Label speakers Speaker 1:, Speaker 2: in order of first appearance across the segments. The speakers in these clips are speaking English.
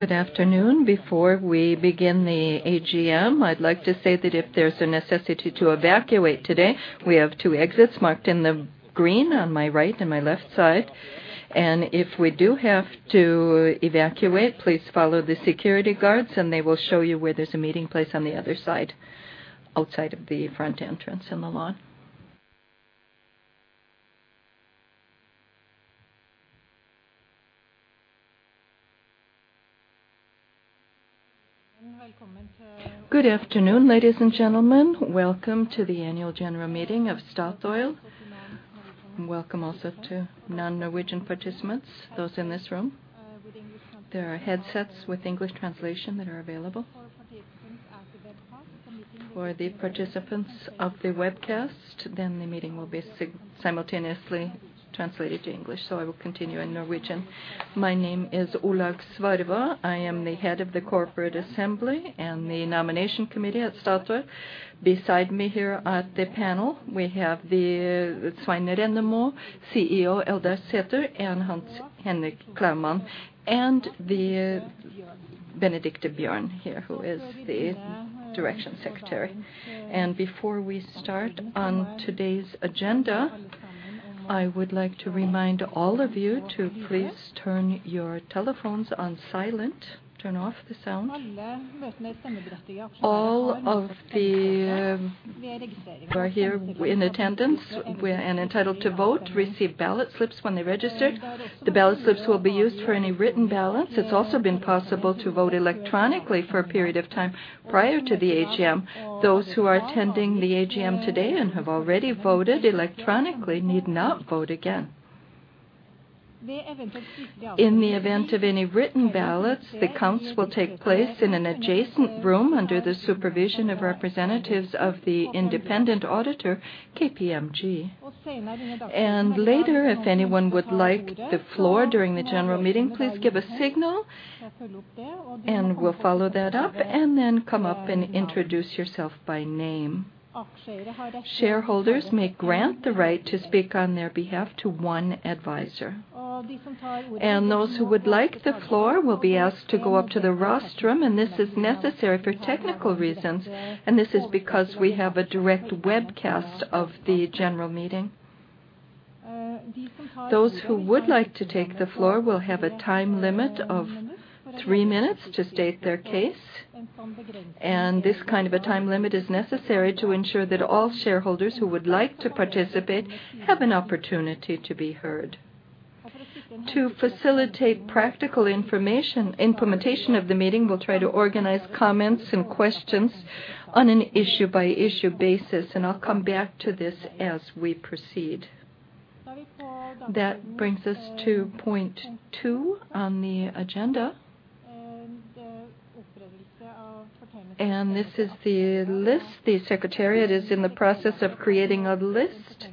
Speaker 1: Good afternoon. Before we begin the AGM, I'd like to say that if there's a necessity to evacuate today, we have two exits marked in green on my right and my left side. If we do have to evacuate, please follow the security guards, and they will show you where there's a meeting place on the other side, outside of the front entrance on the lawn. Good afternoon, ladies and gentlemen. Welcome to the annual general meeting of Statoil, and welcome also to non-Norwegian participants, those in this room. There are headsets with English translation that are available. For the participants of the webcast, then the meeting will be simultaneously translated to English, so I will continue in Norwegian. My name is Olaug Svarva. I am the Head of the Corporate Assembly and the Nomination Committee at Statoil. Beside me here at the panel, we have Svein Rennemo, CEO Eldar Sætre, and Hans Henrik Klouman, and Benedikte Bjørn here, who is the Company Secretary. Before we start on today's agenda, I would like to remind all of you to please turn your telephones on silent. Turn off the sound. All of those who are here in attendance and entitled to vote receive ballot slips when they registered. The ballot slips will be used for any written ballots. It's also been possible to vote electronically for a period of time prior to the AGM. Those who are attending the AGM today and have already voted electronically need not vote again. In the event of any written ballots, the counts will take place in an adjacent room under the supervision of representatives of the independent auditor, KPMG. Later, if anyone would like the floor during the general meeting, please give a signal, and we'll follow that up, and then come up and introduce yourself by name. Shareholders may grant the right to speak on their behalf to one advisor. Those who would like the floor will be asked to go up to the rostrum, and this is necessary for technical reasons. This is because we have a direct webcast of the general meeting. Those who would like to take the floor will have a time limit of three minutes to state their case, and this kind of a time limit is necessary to ensure that all shareholders who would like to participate have an opportunity to be heard. To facilitate practical information, implementation of the meeting, we'll try to organize comments and questions on an issue-by-issue basis, and I'll come back to this as we proceed. That brings us to point two on the agenda. This is the list. The secretariat is in the process of creating a list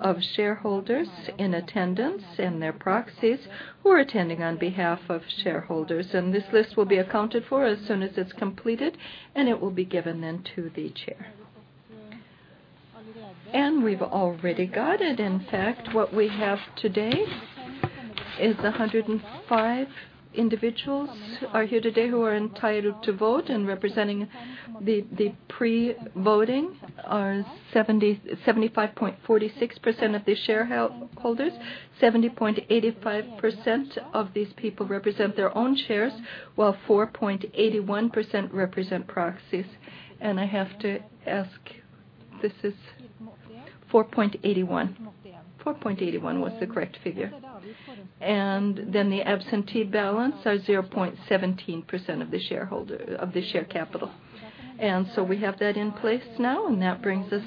Speaker 1: of shareholders in attendance and their proxies who are attending on behalf of shareholders. This list will be accounted for as soon as it's completed, and it will be given then to the chair. We've already got it. In fact, what we have today is 105 individuals are here today who are entitled to vote and representing the pre-voting are 75.46% of the shareholders. 70.85% of these people represent their own shares, while 4.81% represent proxies. I have to ask, this is 4.81. 4.81 was the correct figure. Then the absentee ballots are 0.17% of the share capital. We have that in place now, and that brings us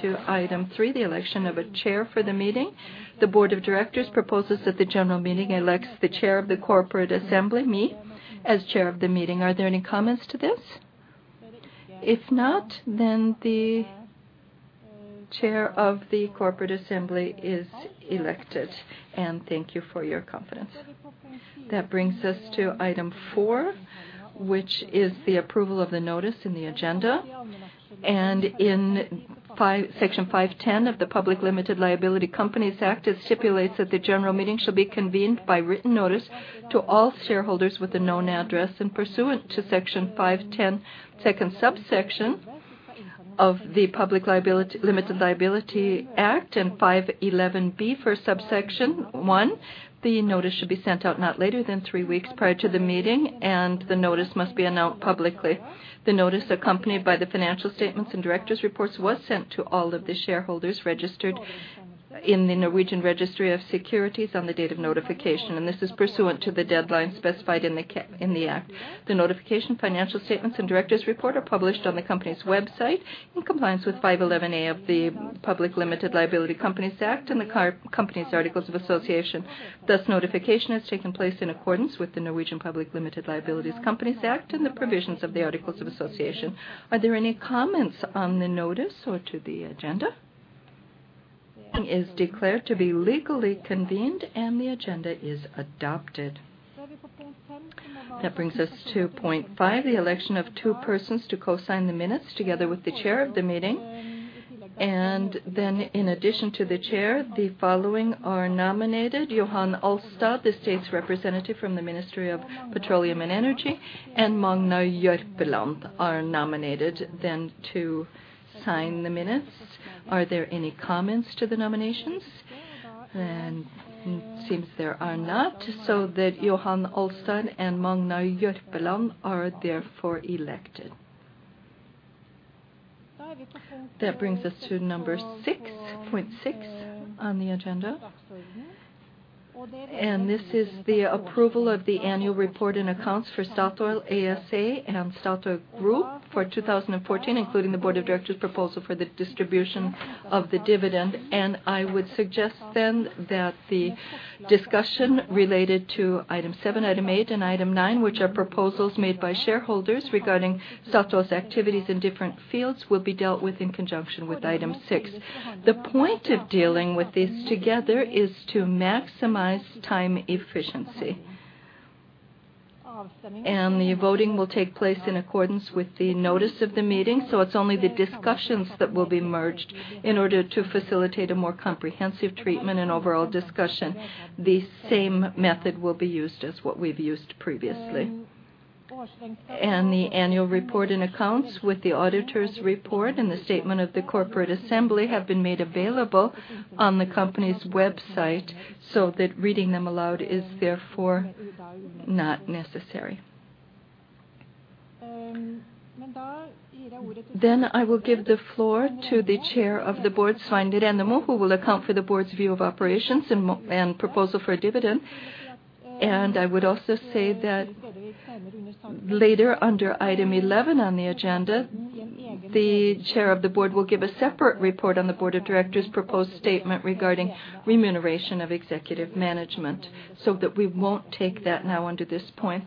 Speaker 1: to item three, the election of a chair for the meeting. The board of directors proposes that the general meeting elects the chair of the corporate assembly, me, as chair of the meeting. Are there any comments to this? If not, then the chair of the corporate assembly is elected, and thank you for your confidence. That brings us to item four, which is the approval of the notice in the agenda. In 5, section 5.10 of the Public Limited Liability Companies Act, it stipulates that the general meeting shall be convened by written notice to all shareholders with a known address. Pursuant to section 5.10, second subsection of the Public Limited Liability Act and 5.11 B, subsection one, the notice should be sent out not later than 3 weeks prior to the meeting, and the notice must be announced publicly. The notice accompanied by the financial statements and directors' reports was sent to all of the shareholders registered in the Norwegian Registry of Securities on the date of notification, and this is pursuant to the deadline specified in the act. The notification, financial statements, and directors' report are published on the company's website in compliance with 5.11 A of the Public Limited Liability Companies Act and the company's articles of association. Thus, notification has taken place in accordance with the Norwegian Public Limited Liability Companies Act and the provisions of the articles of association. Are there any comments on the notice or to the agenda? It is declared to be legally convened, and the agenda is adopted. That brings us to point 5, the election of two persons to co-sign the minutes together with the chair of the meeting. In addition to the chair, the following are nominated, Johan A. Alstad, the state's representative from the Ministry of Petroleum and Energy, and Magnar Jørpeland, to sign the minutes. Are there any comments to the nominations? It seems there are not. That Johan A. Alstad and Magnar Jørpeland are therefore elected. That brings us to number 6, point 6 on the agenda. This is the approval of the annual report and accounts for Statoil ASA and Statoil group for 2014, including the board of directors' proposal for the distribution of the dividend. I would suggest then that the discussion related to item seven, item eight, and item nine, which are proposals made by shareholders regarding Statoil's activities in different fields, will be dealt with in conjunction with item six. The point of dealing with these together is to maximize time efficiency. The voting will take place in accordance with the notice of the meeting, so it's only the discussions that will be merged in order to facilitate a more comprehensive treatment and overall discussion. The same method will be used as what we've used previously. The annual report and accounts with the auditor's report and the statement of the corporate assembly have been made available on the company's website so that reading them aloud is therefore not necessary. I will give the floor to the Chair of the Board, Svein Rennemo, who will account for the board's view of operations and proposal for a dividend. I would also say that later under item eleven on the agenda, the Chair of the Board will give a separate report on the board of directors' proposed statement regarding remuneration of executive management, so that we won't take that now under this point.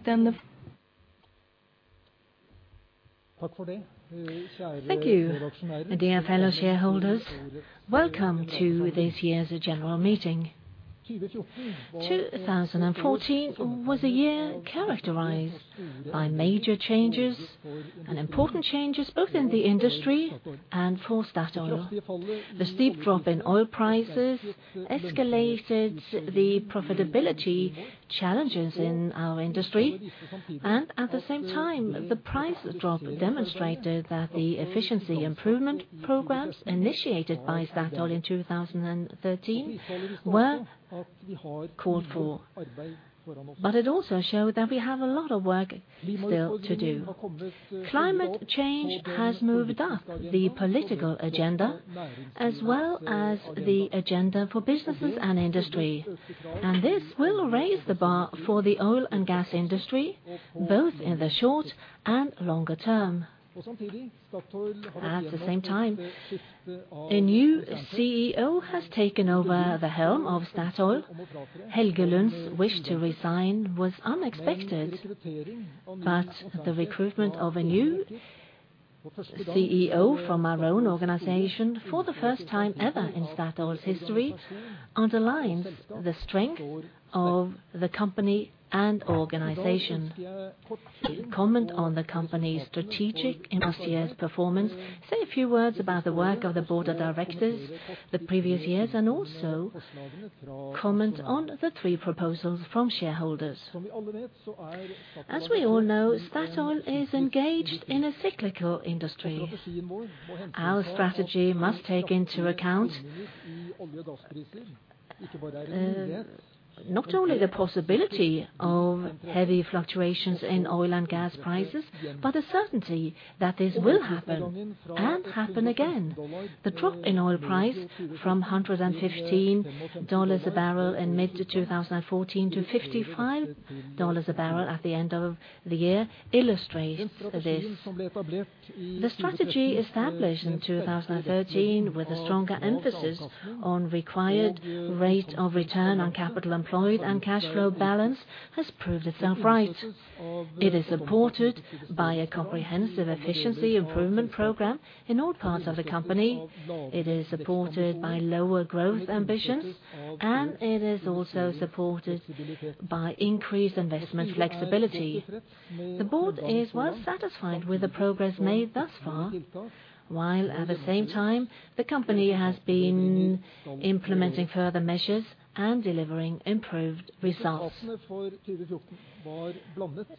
Speaker 2: Thank you, dear fellow shareholders. Welcome to this year's general meeting. 2014 was a year characterized by major changes and important changes both in the industry and for Statoil. The steep drop in oil prices escalated the profitability challenges in our industry. At the same time, the price drop demonstrated that the efficiency improvement programs initiated by Statoil in 2013 were called for. It also showed that we have a lot of work still to do. Climate change has moved up the political agenda as well as the agenda for businesses and industry. This will raise the bar for the oil and gas industry, both in the short and longer term. At the same time, a new CEO has taken over the helm of Statoil. Helge Lund's wish to resign was unexpected, but the recruitment of a new CEO from our own organization for the first time ever in Statoil's history underlines the strength of the company and organization. Comment on the company's strategic and last year's performance, say a few words about the work of the Board of Directors the previous years, and also comment on the three proposals from shareholders. As we all know, Statoil is engaged in a cyclical industry. Our strategy must take into account, not only the possibility of heavy fluctuations in oil and gas prices, but the certainty that this will happen and happen again. The drop in oil price from $115 a barrel in mid 2014 to $55 a barrel at the end of the year illustrates this. The strategy established in 2013 with a stronger emphasis on required rate of return on capital employed and cash flow balance has proved itself right. It is supported by a comprehensive efficiency improvement program in all parts of the company. It is supported by lower growth ambitions, and it is also supported by increased investment flexibility. The board is well satisfied with the progress made thus far, while at the same time the company has been implementing further measures and delivering improved results.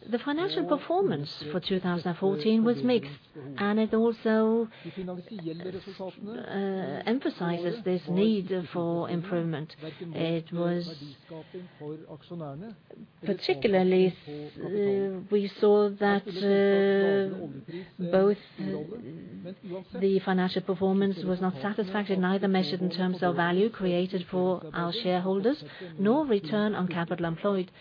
Speaker 2: The financial performance for 2014 was mixed, and it also emphasizes this need for improvement. It was particularly we saw that both the financial performance was not satisfactory, neither measured in terms of value created for our shareholders nor return on capital employed.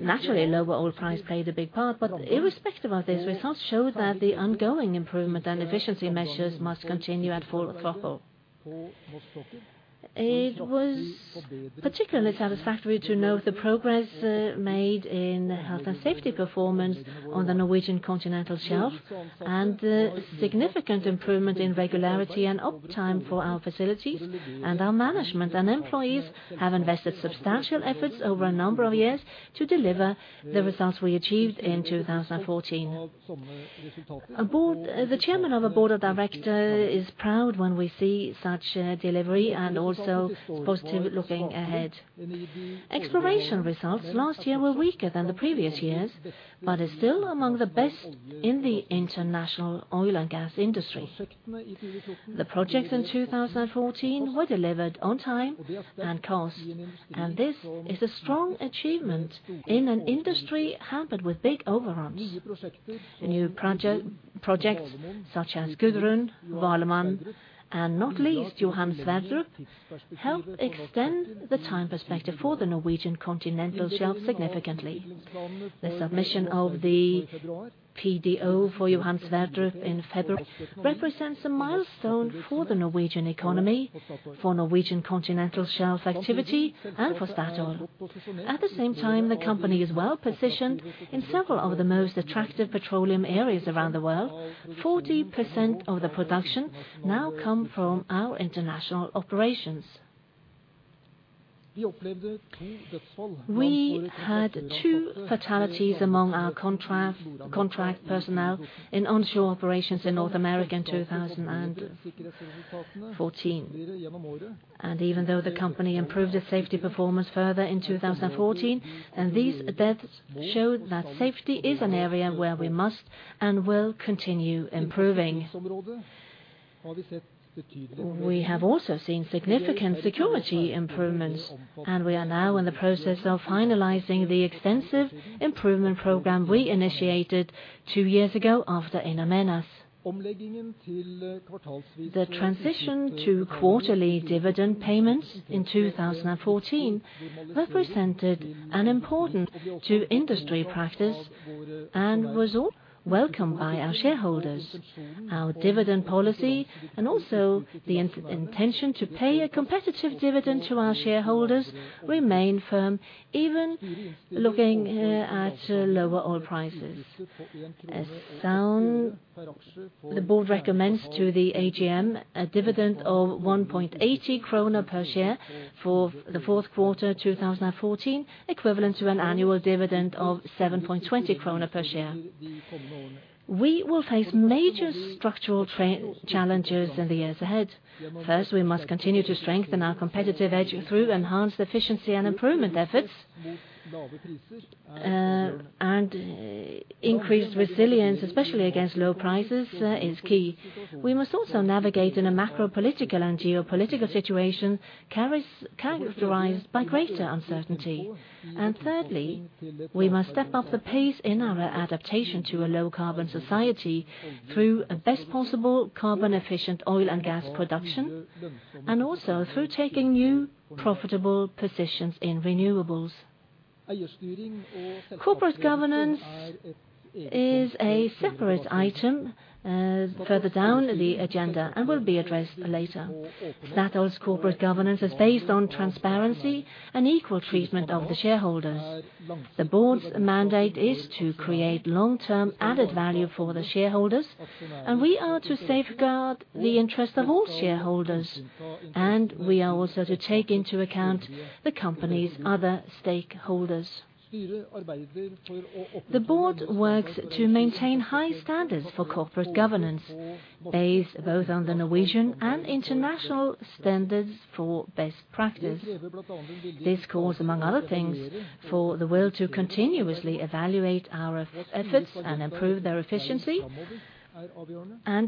Speaker 2: Naturally, lower oil price played a big part, but irrespective of this, results show that the ongoing improvement and efficiency measures must continue at full throttle. It was particularly satisfactory to note the progress made in health and safety performance on the Norwegian Continental Shelf and the significant improvement in regularity and uptime for our facilities and our management. Employees have invested substantial efforts over a number of years to deliver the results we achieved in 2014. The board, the chairman of the board of directors, is proud when we see such a delivery and also is positive looking ahead. Exploration results last year were weaker than the previous years, but is still among the best in the international oil and gas industry. The projects in 2014 were delivered on time and cost, and this is a strong achievement in an industry hampered with big overruns. The new projects such as Gudrun, Valemon, and not least, Johan Sverdrup, help extend the time perspective for the Norwegian Continental Shelf significantly. The submission of the PDO for Johan Sverdrup in February represents a milestone for the Norwegian economy, for Norwegian Continental Shelf activity, and for Statoil. At the same time, the company is well-positioned in several of the most attractive petroleum areas around the world. 40% of the production now come from our international operations. We had two fatalities among our contract personnel in onshore operations in North America in 2014. Even though the company improved its safety performance further in 2014, and these deaths show that safety is an area where we must and will continue improving. We have also seen significant security improvements, and we are now in the process of finalizing the extensive improvement program we initiated two years ago after In Amenas. The transition to quarterly dividend payments in 2014 represented an important step towards industry practice and was well welcomed by our shareholders. Our dividend policy and also the intention to pay a competitive dividend to our shareholders remain firm even looking at lower oil prices. As shown, the board recommends to the AGM a dividend of 1.80 krone per share for the fourth quarter 2014, equivalent to an annual dividend of 7.20 krone per share. We will face major structural challenges in the years ahead. First, we must continue to strengthen our competitive edge through enhanced efficiency and improvement efforts. Increased resilience, especially against low prices, is key. We must also navigate in a macropolitical and geopolitical situation characterized by greater uncertainty. Thirdly, we must step up the pace in our adaptation to a low carbon society through a best possible carbon efficient oil and gas production and also through taking new profitable positions in renewables. Corporate governance is a separate item, further down the agenda and will be addressed later. Statoil's corporate governance is based on transparency and equal treatment of the shareholders. The board's mandate is to create long-term added value for the shareholders, and we are to safeguard the interest of all shareholders, and we are also to take into account the company's other stakeholders. The board works to maintain high standards for corporate governance based both on the Norwegian and international standards for best practice. This calls, among other things, for the will to continuously evaluate our efforts and improve their efficiency.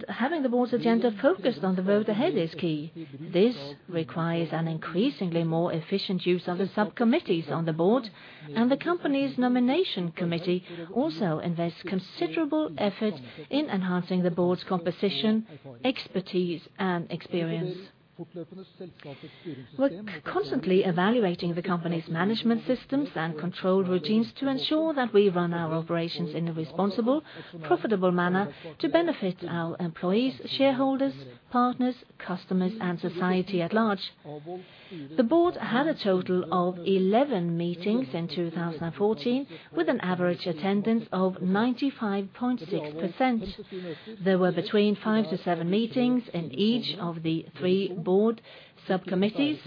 Speaker 2: Having the board's agenda focused on the road ahead is key. This requires an increasingly more efficient use of the subcommittees on the board, and the company's nomination committee also invests considerable effort in enhancing the board's composition, expertise, and experience. We're constantly evaluating the company's management systems and control routines to ensure that we run our operations in a responsible, profitable manner to benefit our employees, shareholders, partners, customers, and society at large. The board had a total of 11 meetings in 2014, with an average attendance of 95.6%. There were between 5-7 meetings in each of the three board subcommittees: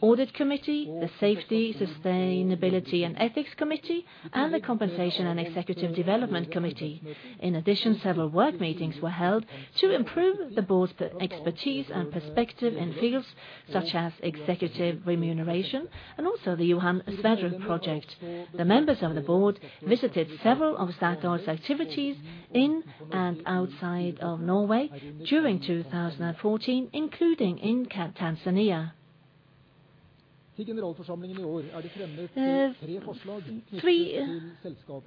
Speaker 2: Audit Committee, the Safety, Sustainability and Ethics Committee, and the Compensation and Executive Development Committee. In addition, several work meetings were held to improve the board's expertise and perspective in fields such as executive remuneration and also the Johan Sverdrup project. The members of the board visited several of Statoil's activities in and outside of Norway during 2014, including in Tanzania. Three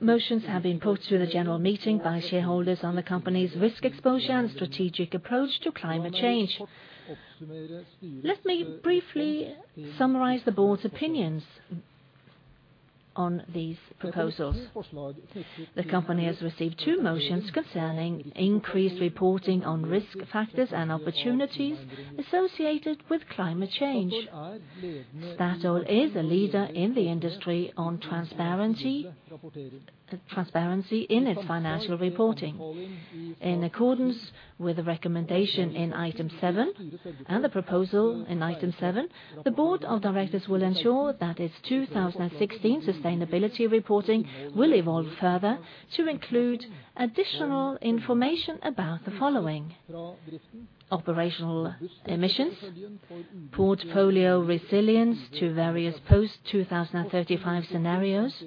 Speaker 2: motions have been put to the general meeting by shareholders on the company's risk exposure and strategic approach to climate change. Let me briefly summarize the board's opinions on these proposals. The company has received two motions concerning increased reporting on risk factors and opportunities associated with climate change. Statoil is a leader in the industry on transparency in its financial reporting. In accordance with the recommendation in item 7 and the proposal in item 7, the board of directors will ensure that its 2016 sustainability reporting will evolve further to include additional information about operational emissions, portfolio resilience to various post-2035 scenarios,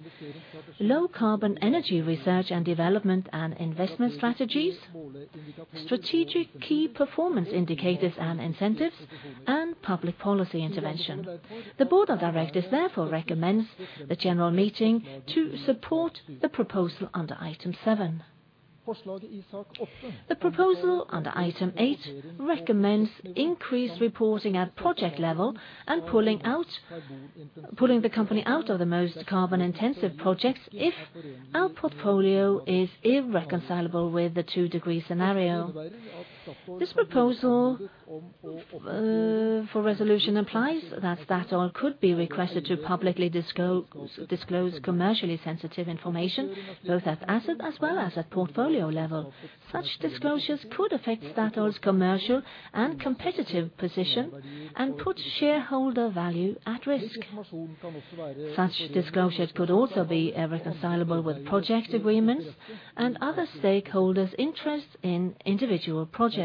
Speaker 2: low carbon energy research and development and investment strategies, strategic key performance indicators and incentives, and public policy intervention. The board of directors therefore recommends the general meeting to support the proposal under item 7. The proposal under item 8 recommends increased reporting at project level and pulling the company out of the most carbon-intensive projects if our portfolio is irreconcilable with the 2-degree scenario. This proposal for resolution implies that Statoil could be requested to publicly disclose commercially sensitive information, both at asset as well as at portfolio level. Such disclosures could affect Statoil's commercial and competitive position and put shareholder value at risk. Such disclosures could also be irreconcilable with project agreements and other stakeholders' interests in individual projects.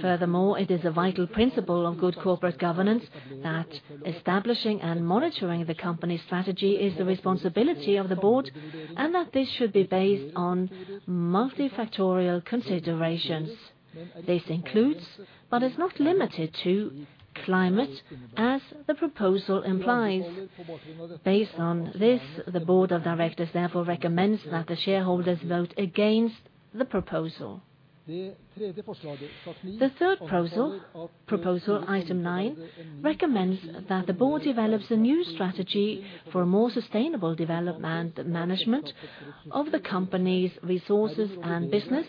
Speaker 2: Furthermore, it is a vital principle of good corporate governance that establishing and monitoring the company's strategy is the responsibility of the board and that this should be based on multifactorial considerations. This includes, but is not limited to climate, as the proposal implies. Based on this, the board of directors therefore recommends that the shareholders vote against the proposal. The third proposal item nine, recommends that the board develops a new strategy for more sustainable development management of the company's resources and business,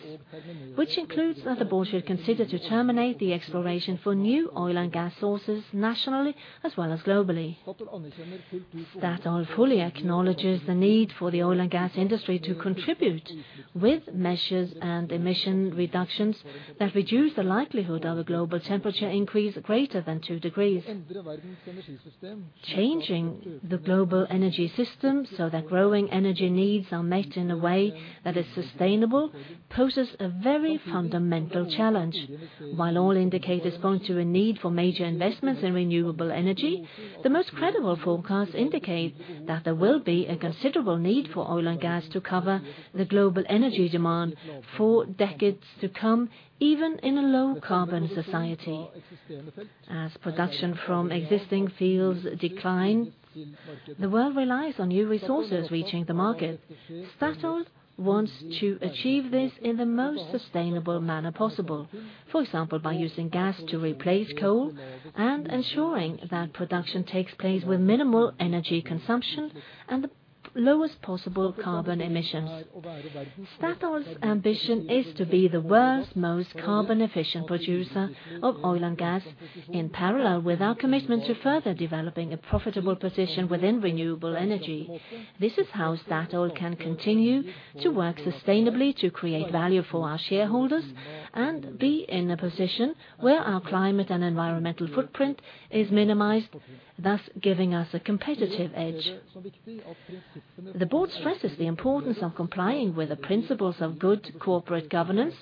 Speaker 2: which includes that the board should consider to terminate the exploration for new oil and gas sources nationally as well as globally. Statoil fully acknowledges the need for the oil and gas industry to contribute with measures and emission reductions that reduce the likelihood of a global temperature increase greater than two degrees. Changing the global energy system so that growing energy needs are met in a way that is sustainable poses a very fundamental challenge. While all indicators point to a need for major investments in renewable energy, the most credible forecasts indicate that there will be a considerable need for oil and gas to cover the global energy demand for decades to come, even in a low carbon society. As production from existing fields decline, the world relies on new resources reaching the market. Statoil wants to achieve this in the most sustainable manner possible, for example, by using gas to replace coal and ensuring that production takes place with minimal energy consumption and the lowest possible carbon emissions. Statoil's ambition is to be the world's most carbon efficient producer of oil and gas in parallel with our commitment to further developing a profitable position within renewable energy. This is how Statoil can continue to work sustainably to create value for our shareholders and be in a position where our climate and environmental footprint is minimized, thus giving us a competitive edge. The board stresses the importance of complying with the principles of good corporate governance,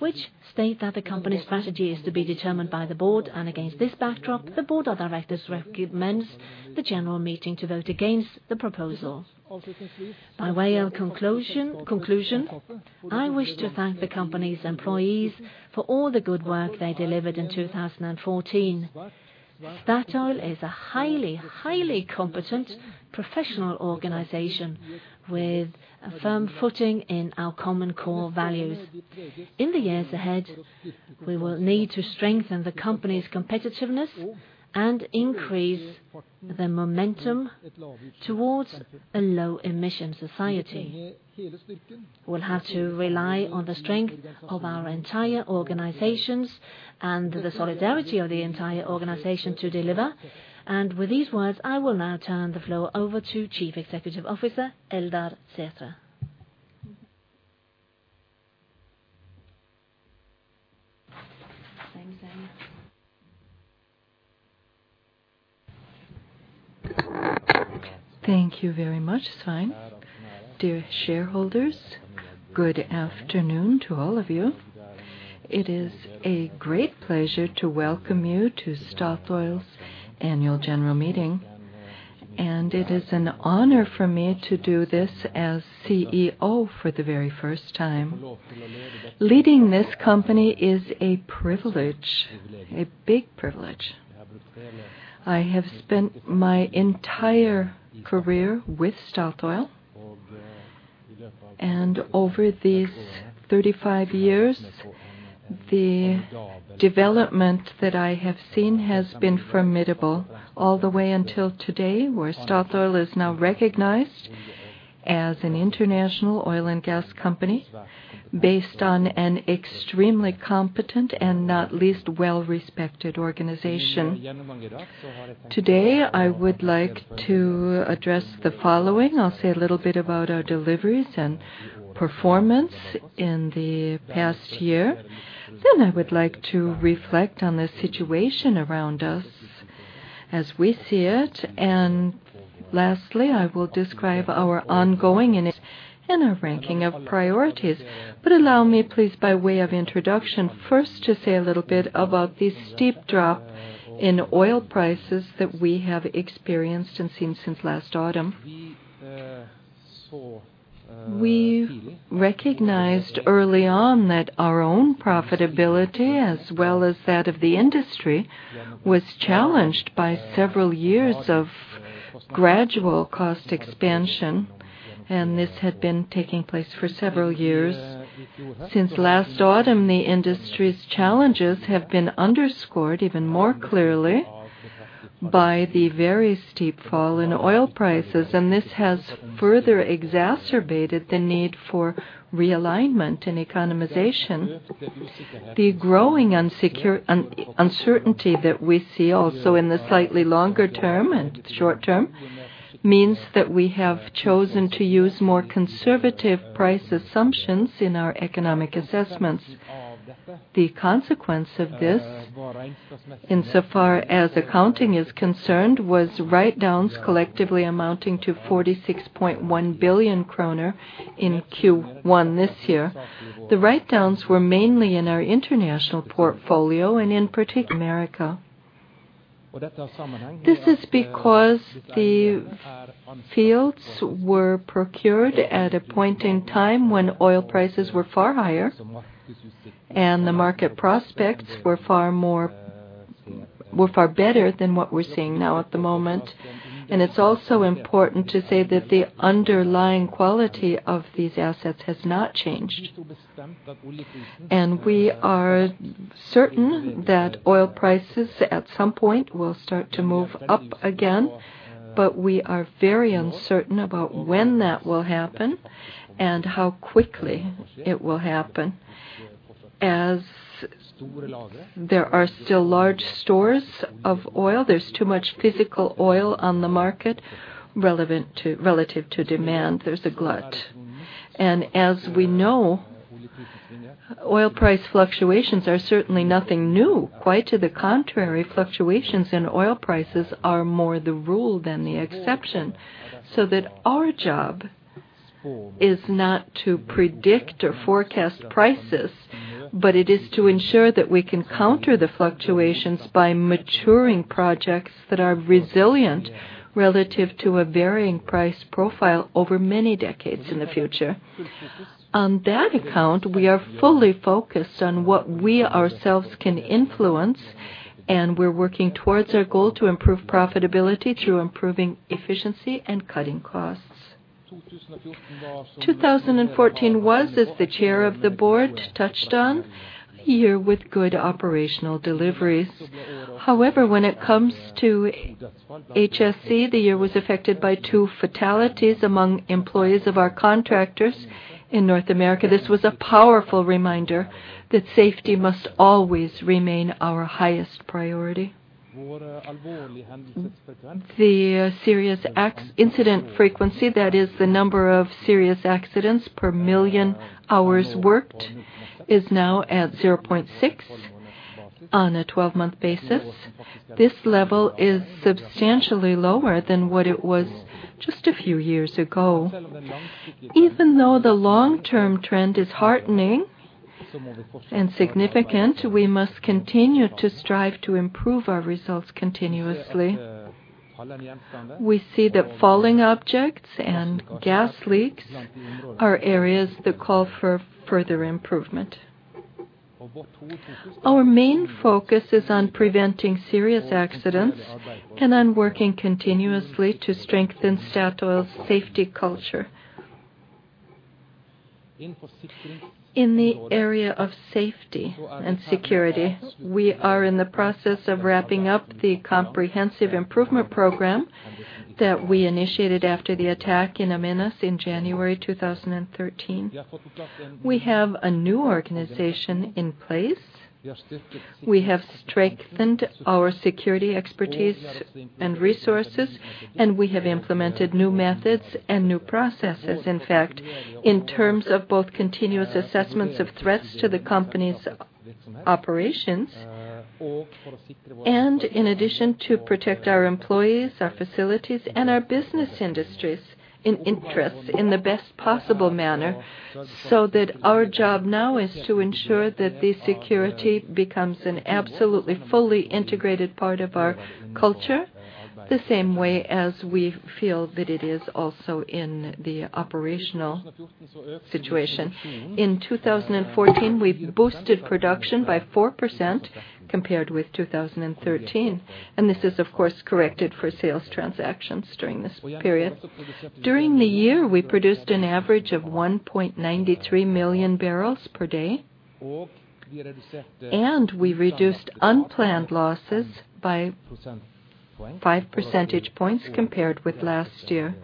Speaker 2: which state that the company's strategy is to be determined by the board, and against this backdrop, the board of directors recommends the general meeting to vote against the proposal. By way of conclusion, I wish to thank the company's employees for all the good work they delivered in 2014. Statoil is a highly competent professional organization with a firm footing in our common core values. In the years ahead, we will need to strengthen the company's competitiveness and increase the momentum towards a low emission society. We'll have to rely on the strength of our entire organizations and the solidarity of the entire organization to deliver. With these words, I will now turn the floor over to Chief Executive Officer Eldar Sætre.
Speaker 3: Thank you very much, Svein. Dear shareholders, good afternoon to all of you. It is a great pleasure to welcome you to Statoil's annual general meeting, and it is an honor for me to do this as CEO for the very first time. Leading this company is a privilege, a big privilege. I have spent my entire career with Statoil. Over these 35 years, the development that I have seen has been formidable all the way until today, where Statoil is now recognized as an international oil and gas company based on an extremely competent and not least well-respected organization. Today, I would like to address the following. I'll say a little bit about our deliveries and performance in the past year. I would like to reflect on the situation around us as we see it. Lastly, I will describe our ongoing initiatives and our ranking of priorities. Allow me, please, by way of introduction first to say a little bit about the steep drop in oil prices that we have experienced and seen since last autumn. We recognized early on that our own profitability, as well as that of the industry, was challenged by several years of gradual cost expansion, and this had been taking place for several years. Since last autumn, the industry's challenges have been underscored even more clearly by the very steep fall in oil prices, and this has further exacerbated the need for realignment and economization. The growing uncertainty that we see also in the slightly longer term and short term means that we have chosen to use more conservative price assumptions in our economic assessments. The consequence of this, insofar as accounting is concerned, was write-downs collectively amounting to 46.1 billion kroner in Q1 this year. The write-downs were mainly in our international portfolio and in particular in North America. This is because the fields were procured at a point in time when oil prices were far higher and the market prospects were far better than what we're seeing now at the moment. It's also important to say that the underlying quality of these assets has not changed. We are certain that oil prices at some point will start to move up again, but we are very uncertain about when that will happen and how quickly it will happen. As there are still large stores of oil, there's too much physical oil on the market relevant to, relative to demand. There's a glut. As we know, oil price fluctuations are certainly nothing new. Quite to the contrary, fluctuations in oil prices are more the rule than the exception. That our job is not to predict or forecast prices, but it is to ensure that we can counter the fluctuations by maturing projects that are resilient relative to a varying price profile over many decades in the future. On that account, we are fully focused on what we ourselves can influence, and we're working towards our goal to improve profitability through improving efficiency and cutting costs. 2014 was, as the Chair of the Board touched on, a year with good operational deliveries. However, when it comes to HSE, the year was affected by two fatalities among employees of our contractors in North America. This was a powerful reminder that safety must always remain our highest priority. The serious incident frequency, that is the number of serious accidents per million hours worked, is now at 0.6 on a twelve-month basis. This level is substantially lower than what it was just a few years ago. Even though the long-term trend is heartening and significant, we must continue to strive to improve our results continuously. We see that falling objects and gas leaks are areas that call for further improvement. Our main focus is on preventing serious accidents and on working continuously to strengthen Statoil's safety culture. In the area of safety and security, we are in the process of wrapping up the comprehensive improvement program that we initiated after the attack in In Amenas in January 2013. We have a new organization in place. We have strengthened our security expertise and resources, and we have implemented new methods and new processes. In fact, in terms of both continuous assessments of threats to the company's operations and in addition to protect our employees, our facilities, and our business industries and interests in the best possible manner, so that our job now is to ensure that the security becomes an absolutely fully integrated part of our culture, the same way as we feel that it is also in the operational situation. In 2014, we boosted production by 4% compared with 2013. This is of course corrected for sales transactions during this period. During the year, we produced an average of 1.93 million barrels per day, and we reduced unplanned losses by 5 percentage points compared with last year,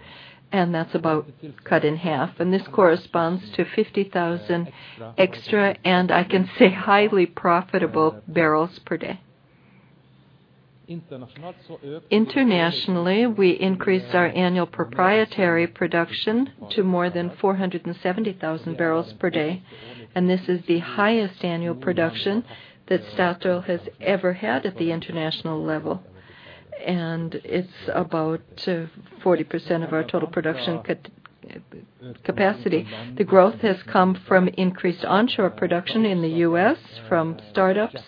Speaker 3: and that's about cut in half. This corresponds to 50,000 extra, and I can say highly profitable, barrels per day. Internationally, we increased our annual proprietary production to more than 470,000 barrels per day, and this is the highest annual production that Statoil has ever had at the international level. It's about 40% of our total production capacity. The growth has come from increased onshore production in the U.S. from startups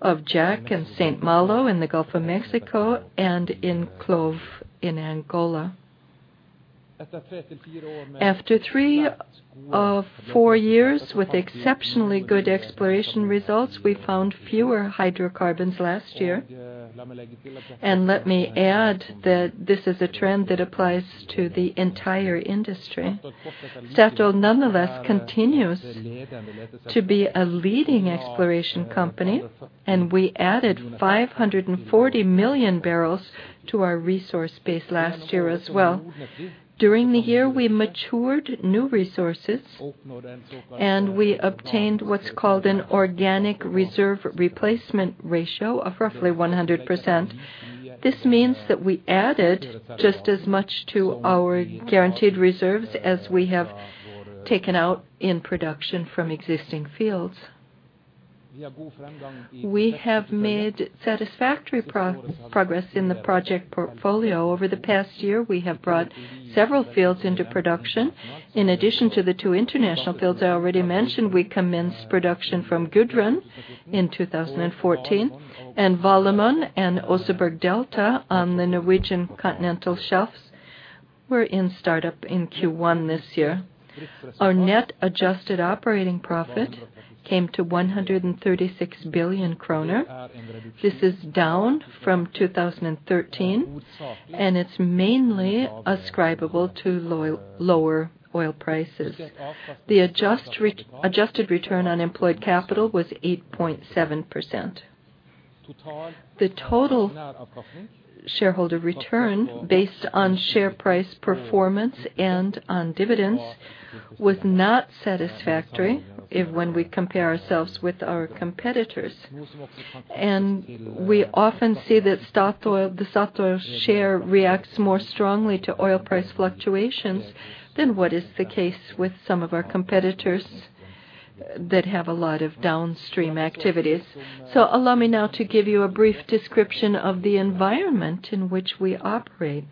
Speaker 3: of Jack and St. Malo in the Gulf of Mexico and in CLOV in Angola. After three of four years with exceptionally good exploration results, we found fewer hydrocarbons last year. Let me add that this is a trend that applies to the entire industry. Statoil nonetheless continues to be a leading exploration company, and we added 540 million barrels to our resource base last year as well. During the year, we matured new resources, and we obtained what's called an organic reserve replacement ratio of roughly 100%. This means that we added just as much to our guaranteed reserves as we have taken out in production from existing fields. We have made satisfactory progress in the project portfolio over the past year. We have brought several fields into production. In addition to the two international fields I already mentioned, we commenced production from Gudrun in 2014, and Valemon and Oseberg Delta on the Norwegian continental shelves were in startup in Q1 this year. Our net adjusted operating profit came to 136 billion kroner. This is down from 2013, and it's mainly ascribable to lower oil prices. The adjusted return on employed capital was 8.7%. The total shareholder return based on share price performance and on dividends was not satisfactory even when we compare ourselves with our competitors. We often see that Equinor, the Equinor share reacts more strongly to oil price fluctuations than what is the case with some of our competitors that have a lot of downstream activities. Allow me now to give you a brief description of the environment in which we operate.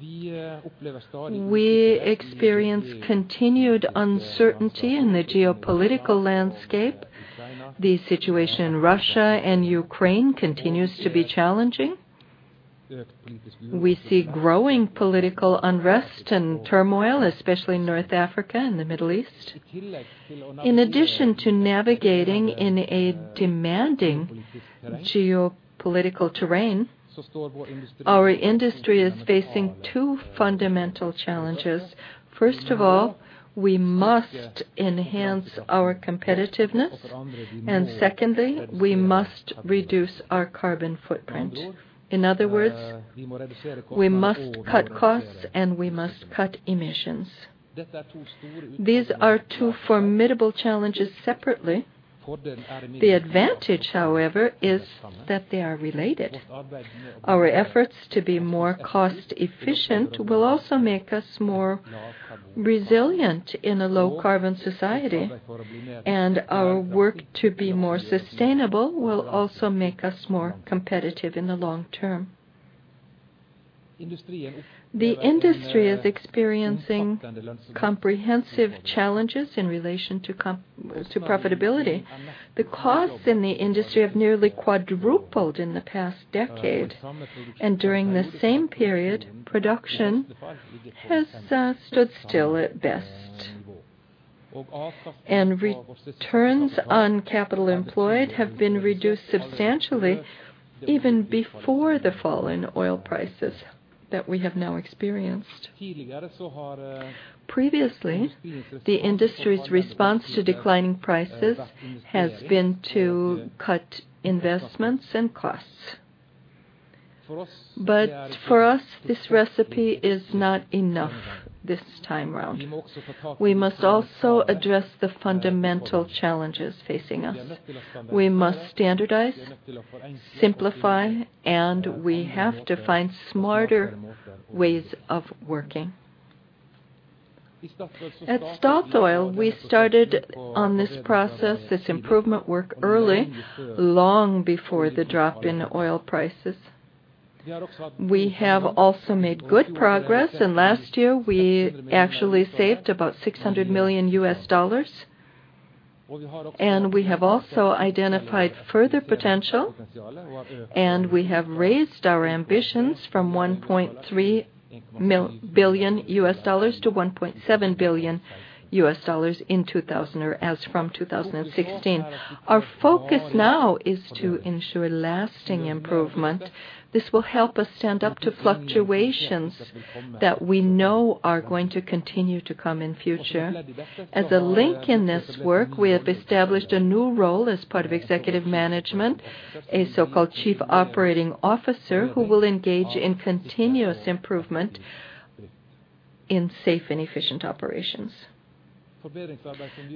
Speaker 3: We experience continued uncertainty in the geopolitical landscape. The situation in Russia and Ukraine continues to be challenging. We see growing political unrest and turmoil, especially in North Africa and the Middle East. In addition to navigating in a demanding geopolitical terrain, our industry is facing two fundamental challenges. First of all, we must enhance our competitiveness. Secondly, we must reduce our carbon footprint. In other words, we must cut costs, and we must cut emissions. These are two formidable challenges separately. The advantage, however, is that they are related. Our efforts to be more cost-efficient will also make us more resilient in a low-carbon society, and our work to be more sustainable will also make us more competitive in the long term. The industry is experiencing comprehensive challenges in relation to profitability. The costs in the industry have nearly quadrupled in the past decade, and during the same period, production has stood still at best. Returns on capital employed have been reduced substantially even before the fall in oil prices that we have now experienced. Previously, the industry's response to declining prices has been to cut investments and costs. For us, this recipe is not enough this time around. We must also address the fundamental challenges facing us. We must standardize, simplify, and we have to find smarter ways of working. At Statoil, we started on this process, this improvement work early, long before the drop in oil prices. We have also made good progress, and last year, we actually saved about $600 million, and we have also identified further potential, and we have raised our ambitions from $1.3 billion to $1.7 billion as from 2016. Our focus now is to ensure lasting improvement. This will help us stand up to fluctuations that we know are going to continue to come in future. As a link in this work, we have established a new role as part of executive management, a so-called chief operating officer who will engage in continuous improvement in safe and efficient operations.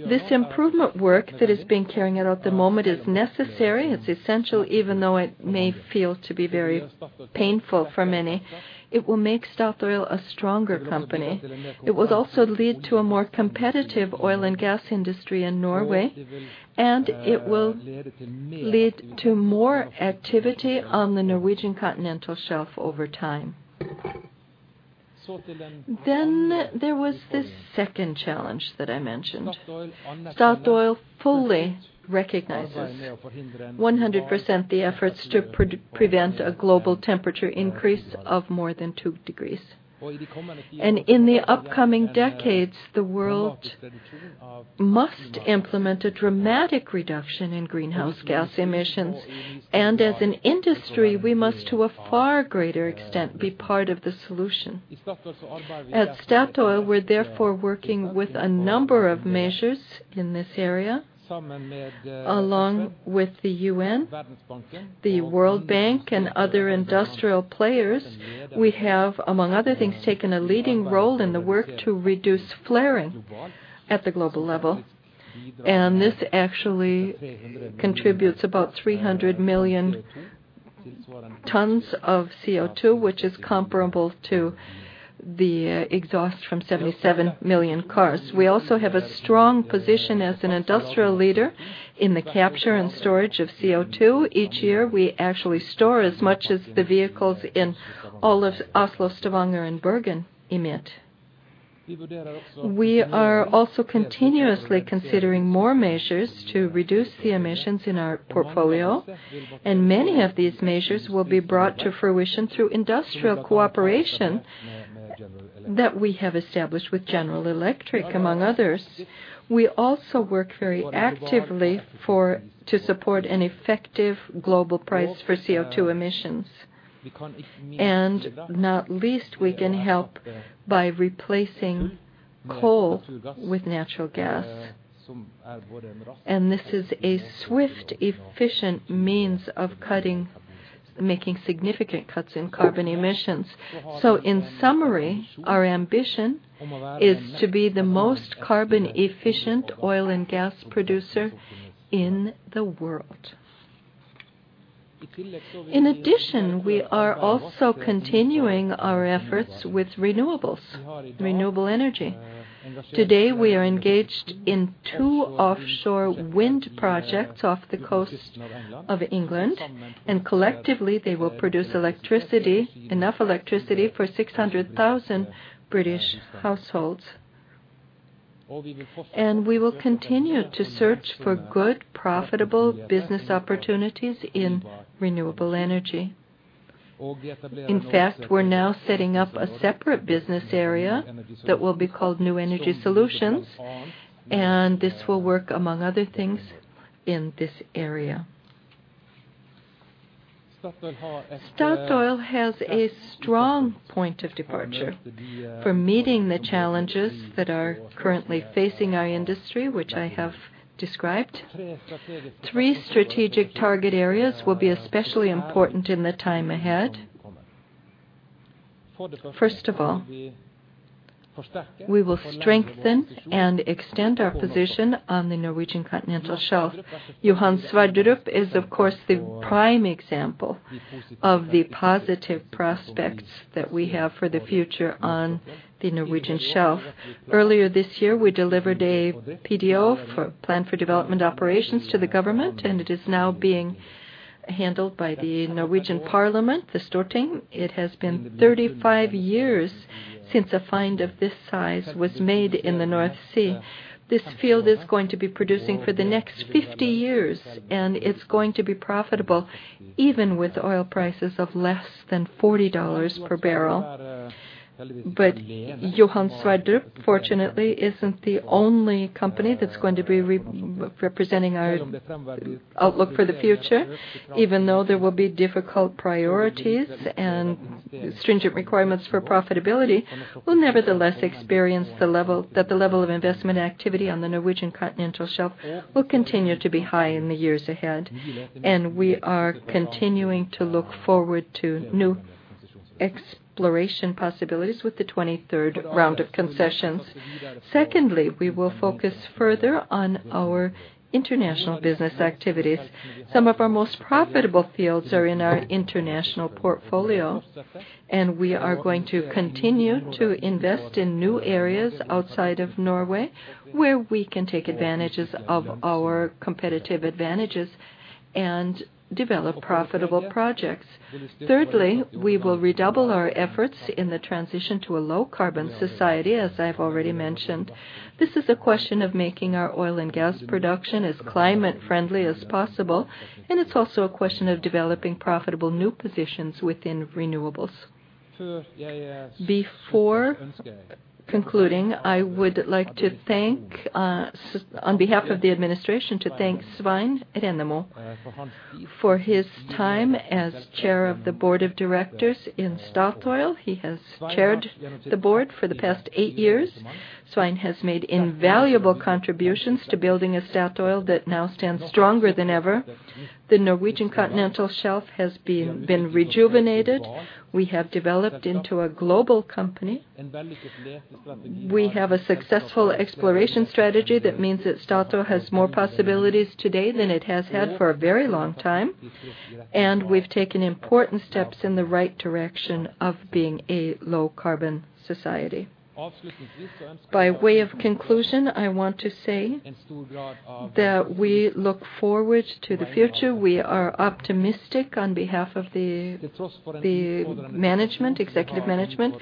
Speaker 3: This improvement work that is being carried out at the moment is necessary, it's essential, even though it may feel to be very painful for many. It will make Statoil a stronger company. It will also lead to a more competitive oil and gas industry in Norway, and it will lead to more activity on the Norwegian continental shelf over time. There was the second challenge that I mentioned. Statoil fully recognizes 100% the efforts to prevent a global temperature increase of more than two degrees. In the upcoming decades, the world must implement a dramatic reduction in greenhouse gas emissions. As an industry, we must, to a far greater extent, be part of the solution. At Statoil, we're therefore working with a number of measures in this area, along with the UN, the World Bank, and other industrial players. We have, among other things, taken a leading role in the work to reduce flaring at the global level. This actually contributes about 300 million tons of CO2, which is comparable to the exhaust from 77 million cars. We also have a strong position as an industrial leader in the capture and storage of CO2. Each year, we actually store as much as the vehicles in all of Oslo, Stavanger, and Bergen emit. We are also continuously considering more measures to reduce the emissions in our portfolio, and many of these measures will be brought to fruition through industrial cooperation that we have established with General Electric, among others. We also work very actively to support an effective global price for CO2 emissions. Not least, we can help by replacing coal with natural gas. This is a swift, efficient means of cutting, making significant cuts in carbon emissions. In summary, our ambition is to be the most carbon efficient oil and gas producer in the world. In addition, we are also continuing our efforts with renewables, renewable energy. Today, we are engaged in two offshore wind projects off the coast of England, and collectively, they will produce electricity, enough electricity for 600,000 British households. We will continue to search for good, profitable business opportunities in renewable energy. In fact, we're now setting up a separate business area that will be called New Energy Solutions, and this will work among other things in this area. Statoil has a strong point of departure for meeting the challenges that are currently facing our industry, which I have described. Three strategic target areas will be especially important in the time ahead. First of all, we will strengthen and extend our position on the Norwegian continental shelf. Johan Sverdrup is, of course, the prime example of the positive prospects that we have for the future on the Norwegian shelf. Earlier this year, we delivered a PDO for Plan for Development and Operation to the government, and it is now being handled by the Norwegian Parliament, the Storting. It has been 35 years since a find of this size was made in the North Sea. This field is going to be producing for the next 50 years, and it's going to be profitable even with oil prices of less than $40 per barrel. Johan Sverdrup, fortunately, isn't the only one that's going to be representing our outlook for the future. Even though there will be difficult priorities and stringent requirements for profitability, we'll nevertheless experience that the level of investment activity on the Norwegian continental shelf will continue to be high in the years ahead. We are continuing to look forward to new exploration possibilities with the twenty-third round of concessions. Secondly, we will focus further on our international business activities. Some of our most profitable fields are in our international portfolio, and we are going to continue to invest in new areas outside of Norway, where we can take advantages of our competitive advantages and develop profitable projects. Thirdly, we will redouble our efforts in the transition to a low-carbon society, as I've already mentioned. This is a question of making our oil and gas production as climate-friendly as possible, and it's also a question of developing profitable new positions within renewables. Before concluding, I would like, on behalf of the administration, to thank Svein Rennemo for his time as Chair of the Board of Directors in Statoil. He has chaired the board for the past eight years. Svein has made invaluable contributions to building a Statoil that now stands stronger than ever. The Norwegian continental shelf has been rejuvenated. We have developed into a global company. We have a successful exploration strategy that means that Statoil has more possibilities today than it has had for a very long time. We've taken important steps in the right direction of being a low carbon society. By way of conclusion, I want to say that we look forward to the future. We are optimistic on behalf of the management, executive management.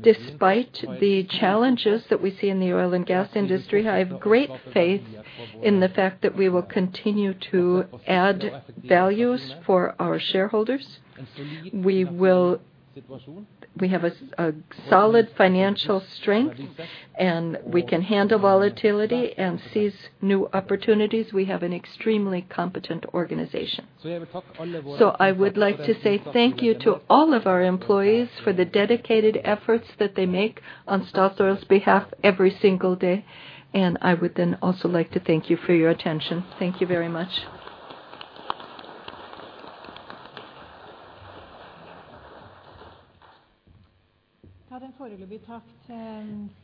Speaker 3: Despite the challenges that we see in the oil and gas industry, I have great faith in the fact that we will continue to add value for our shareholders. We have a solid financial strength, and we can handle volatility and seize new opportunities. We have an extremely competent organization. I would like to say thank you to all of our employees for the dedicated efforts that they make on Statoil's behalf every single day, and I would then also like to thank you for your attention. Thank you very much.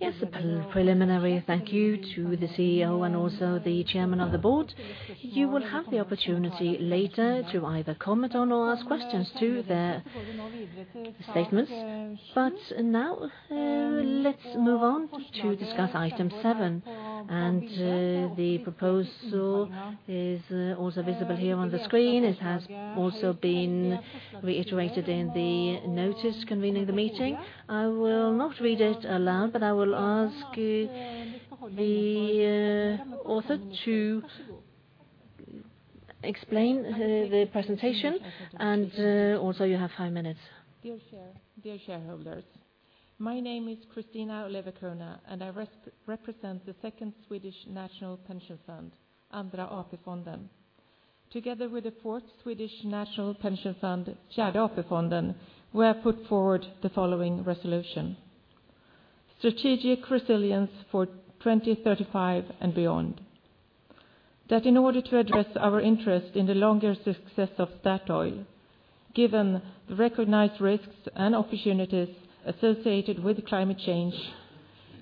Speaker 1: Yes, a preliminary thank you to the CEO and also the Chairman of the Board. You will have the opportunity later to either comment on or ask questions to their statements. Now let's move on to discuss item seven, and the proposal is also visible here on the screen. It has also been reiterated in the notice convening the meeting. I will not read it aloud, but I will ask the author to explain the presentation, and also you have five minutes.
Speaker 4: Dear shareholders. My name is Christina Olivecrona, and I represent the second Swedish National Pension Fund, Andra AP-fonden. Together with the fourth Swedish National Pension Fund, Fjärde AP-fonden, we have put forward the following resolution: Strategic resilience for 2035 and beyond, that in order to address our interest in the longer success of Statoil, given the recognized risks and opportunities associated with climate change,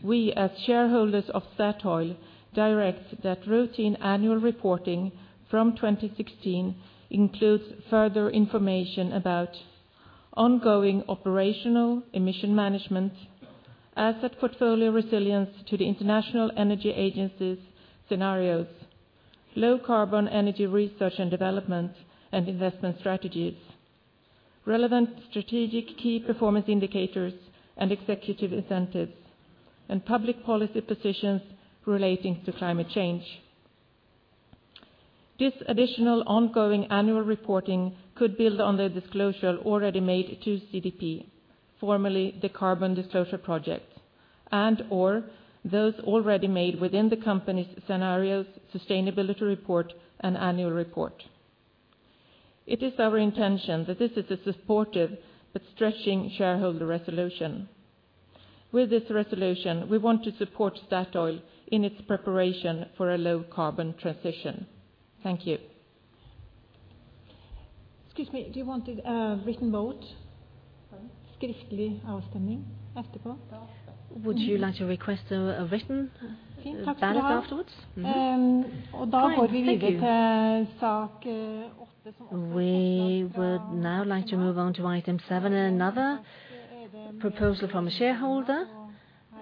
Speaker 4: we, as shareholders of Statoil, direct that routine annual reporting from 2016 includes further information about ongoing operational emission management, asset portfolio resilience to the International Energy Agency's scenarios, low carbon energy research and development and investment strategies, relevant strategic key performance indicators and executive incentives, and public policy positions relating to climate change. This additional ongoing annual reporting could build on the disclosure already made to CDP, formerly the Carbon Disclosure Project, and/or those already made within the company's scenarios sustainability report and annual report. It is our intention that this is a supportive but stretching shareholder resolution. With this resolution, we want to support Statoil in its preparation for a low carbon transition. Thank you.
Speaker 1: Excuse me. Do you want a written vote?
Speaker 4: Sorry.
Speaker 2: Would you like to request a written ballot afterwards?
Speaker 4: Mm-hmm.
Speaker 2: Fine. Thank you. We would now like to move on to item 7, another proposal from a shareholder.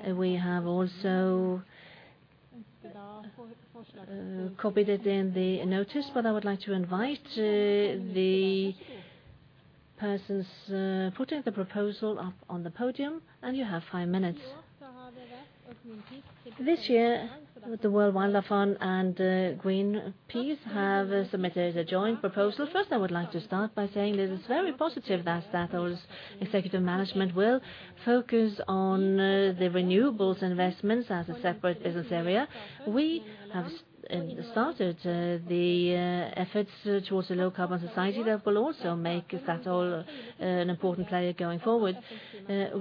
Speaker 2: We have also copied it in the notice, but I would like to invite the person putting the proposal up on the podium, and you have 5 minutes. This year, the World Wildlife Fund and Greenpeace have submitted a joint proposal. First, I would like to start by saying that it's very positive that Statoil's executive management will focus on the renewables investments as a separate business area. We have started the efforts towards a low carbon society that will also make Statoil an important player going forward.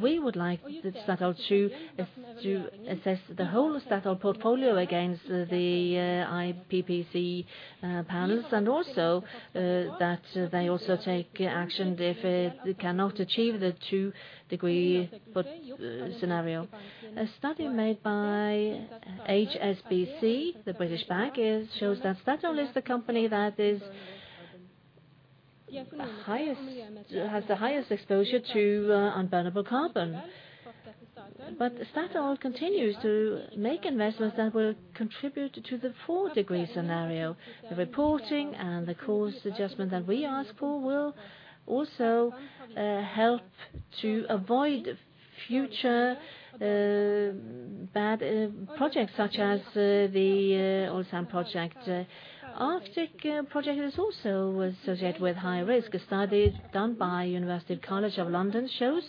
Speaker 2: We would like Statoil to assess the whole Statoil portfolio against the IPCC panel. Also that they also take action if they cannot achieve the 2-degree scenario. A study made by HSBC, the British bank, it shows that Statoil is the company that has the highest exposure to unburnable carbon. Statoil continues to make investments that will contribute to the 4-degree scenario. The reporting and the course adjustment that we ask for will also help to avoid future. Bad projects such as the oil sands project. Arctic project is also associated with high risk. A study done by University College London shows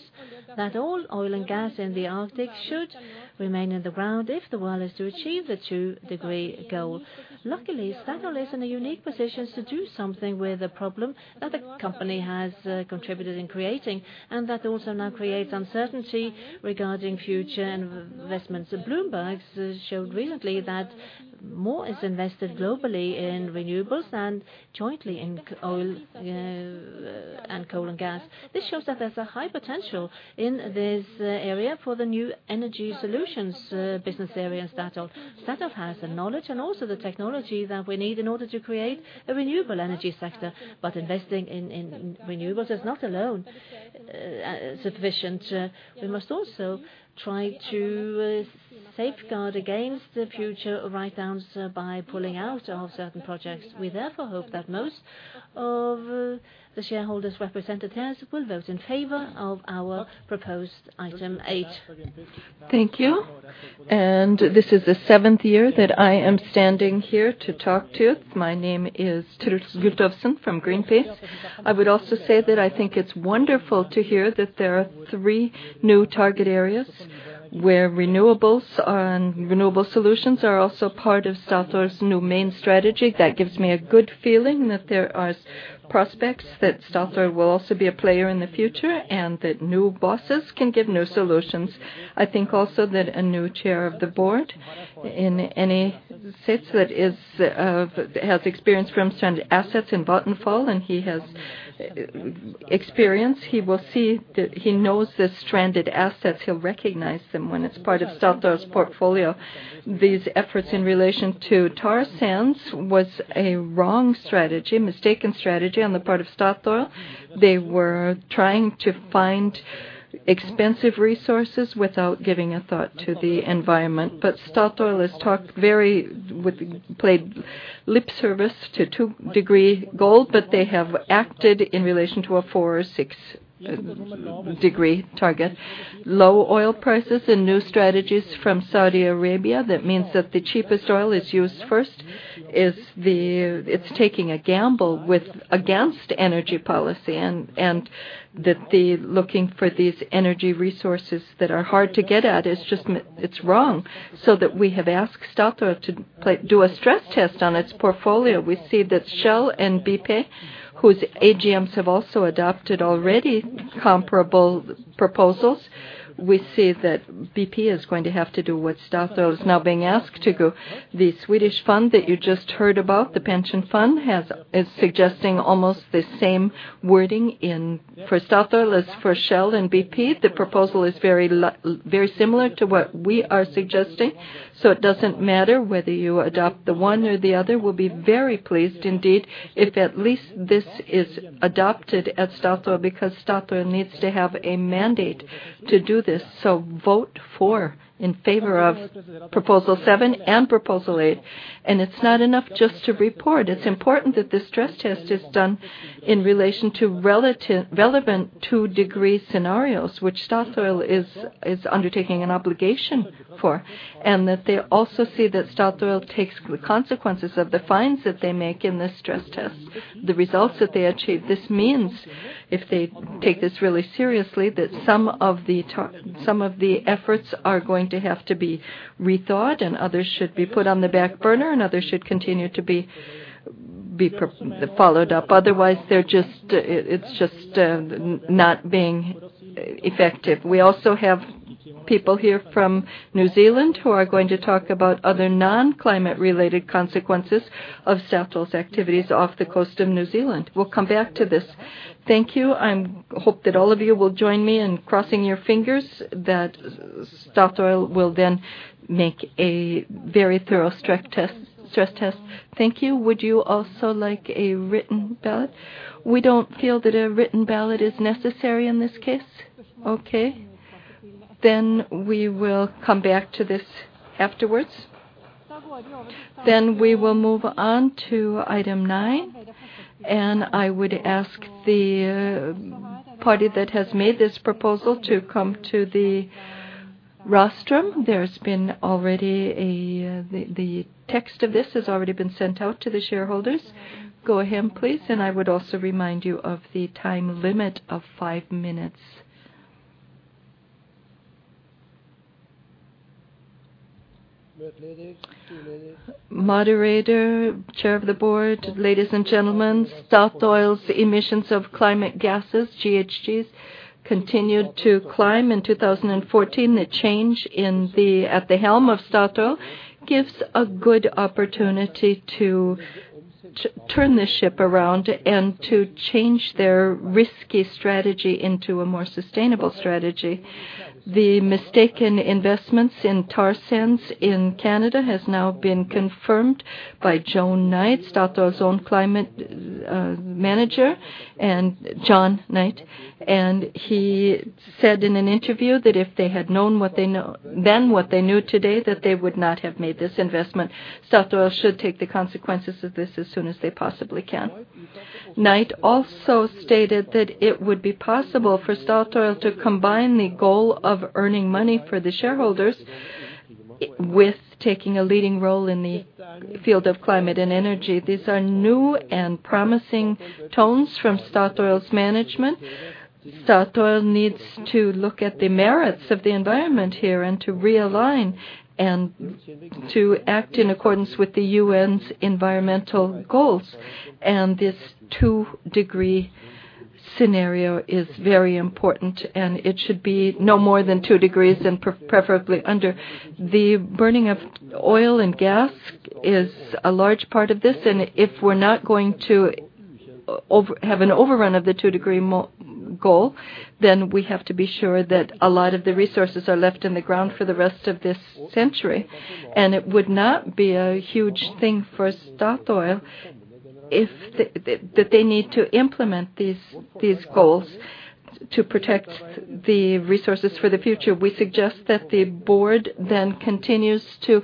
Speaker 2: that all oil and gas in the Arctic should remain in the ground if the world is to achieve the two-degree goal. Luckily, Statoil is in a unique position to do something with the problem that the company has contributed in creating, and that also now creates uncertainty regarding future investments. Bloomberg showed recently that more is invested globally in renewables than jointly in oil and coal and gas. This shows that there's a high potential in this area for the New Energy Solutions business area in Statoil. Statoil has the knowledge and also the technology that we need in order to create a renewable energy sector. Investing in renewables is not alone sufficient. We must also try to safeguard against the future write-downs by pulling out of certain projects. We therefore hope that most of the shareholders represented here will vote in favor of our proposed item 8.
Speaker 5: Thank you. This is the seventh year that I am standing here to talk to you. My name is Truls Gulowsen from Greenpeace. I would also say that I think it's wonderful to hear that there are three new target areas where renewables and renewable solutions are also part of Statoil's new main strategy. That gives me a good feeling that there are prospects that Statoil will also be a player in the future, and that new bosses can give new solutions. I think also that a new chair of the board in any sense that is, has experience from stranded assets in Vattenfall, and he has experience, he will see that he knows the stranded assets. He'll recognize them when it's part of Statoil's portfolio. These efforts in relation to oil sands was a wrong strategy, mistaken strategy on the part of Statoil. They were trying to find expensive resources without giving a thought to the environment. Statoil has played lip service to 2-degree goal, but they have acted in relation to a 4- or 6-degree target. Low oil prices and new strategies from Saudi Arabia, that means that the cheapest oil is used first, it's taking a gamble against energy policy, and that looking for these energy resources that are hard to get at is just it's wrong. We have asked Statoil to do a stress test on its portfolio. We see that Shell and BP, whose AGMs have also adopted already comparable proposals, we see that BP is going to have to do what Statoil is now being asked to go. The Swedish fund that you just heard about, the pension fund, is suggesting almost the same wording for Statoil as for Shell and BP. The proposal is very similar to what we are suggesting. It doesn't matter whether you adopt the one or the other. We'll be very pleased indeed if at least this is adopted at Statoil, because Statoil needs to have a mandate to do this. Vote in favor of proposal seven and proposal eight. It's not enough just to report. It's important that the stress test is done in relation to relevant 2-degree scenarios, which Statoil is undertaking an obligation for. That they also see that Statoil takes the consequences of the findings that they make in this stress test, the results that they achieve. This means if they take this really seriously, that some of the efforts are going to have to be rethought and others should be put on the back burner, and others should continue to be followed up. Otherwise, they're just, it's just not being effective. We also have people here from New Zealand who are going to talk about other non-climate related consequences of Statoil's activities off the coast of New Zealand. We'll come back to this. Thank you. I hope that all of you will join me in crossing your fingers that Statoil will then make a very thorough stress test. Thank you. Would you also like a written ballot? We don't feel that a written ballot is necessary in this case. Okay. Then we will come back to this afterwards. We will move on to item nine, and I would ask the party that has made this proposal to come to the rostrum. The text of this has already been sent out to the shareholders. Go ahead, please. I would also remind you of the time limit of five minutes. Moderator, chair of the board, ladies and gentlemen, Statoil's emissions of climate gases, GHGs, continued to climb in 2014. The change at the helm of Statoil gives a good opportunity to turn the ship around and to change their risky strategy into a more sustainable strategy. The mistaken investments in oil sands in Canada has now been confirmed by John Knight, Statoil's own climate manager, and he said in an interview that if they had known what they know then, what they knew today, that they would not have made this investment. Statoil should take the consequences of this as soon as they possibly can. Knight also stated that it would be possible for Statoil to combine the goal of earning money for the shareholders with taking a leading role in the field of climate and energy. These are new and promising tones from Statoil's management. Statoil needs to look at the merits of the environment here and to realign and to act in accordance with the UN's environmental goals. This two-degree scenario is very important, and it should be no more than two degrees and preferably under. The burning of oil and gas is a large part of this. If we're not going to have an overrun of the two-degree goal, then we have to be sure that a lot of the resources are left in the ground for the rest of this century. It would not be a huge thing for Statoil if that they need to implement these goals to protect the resources for the future. We suggest that the board then continues to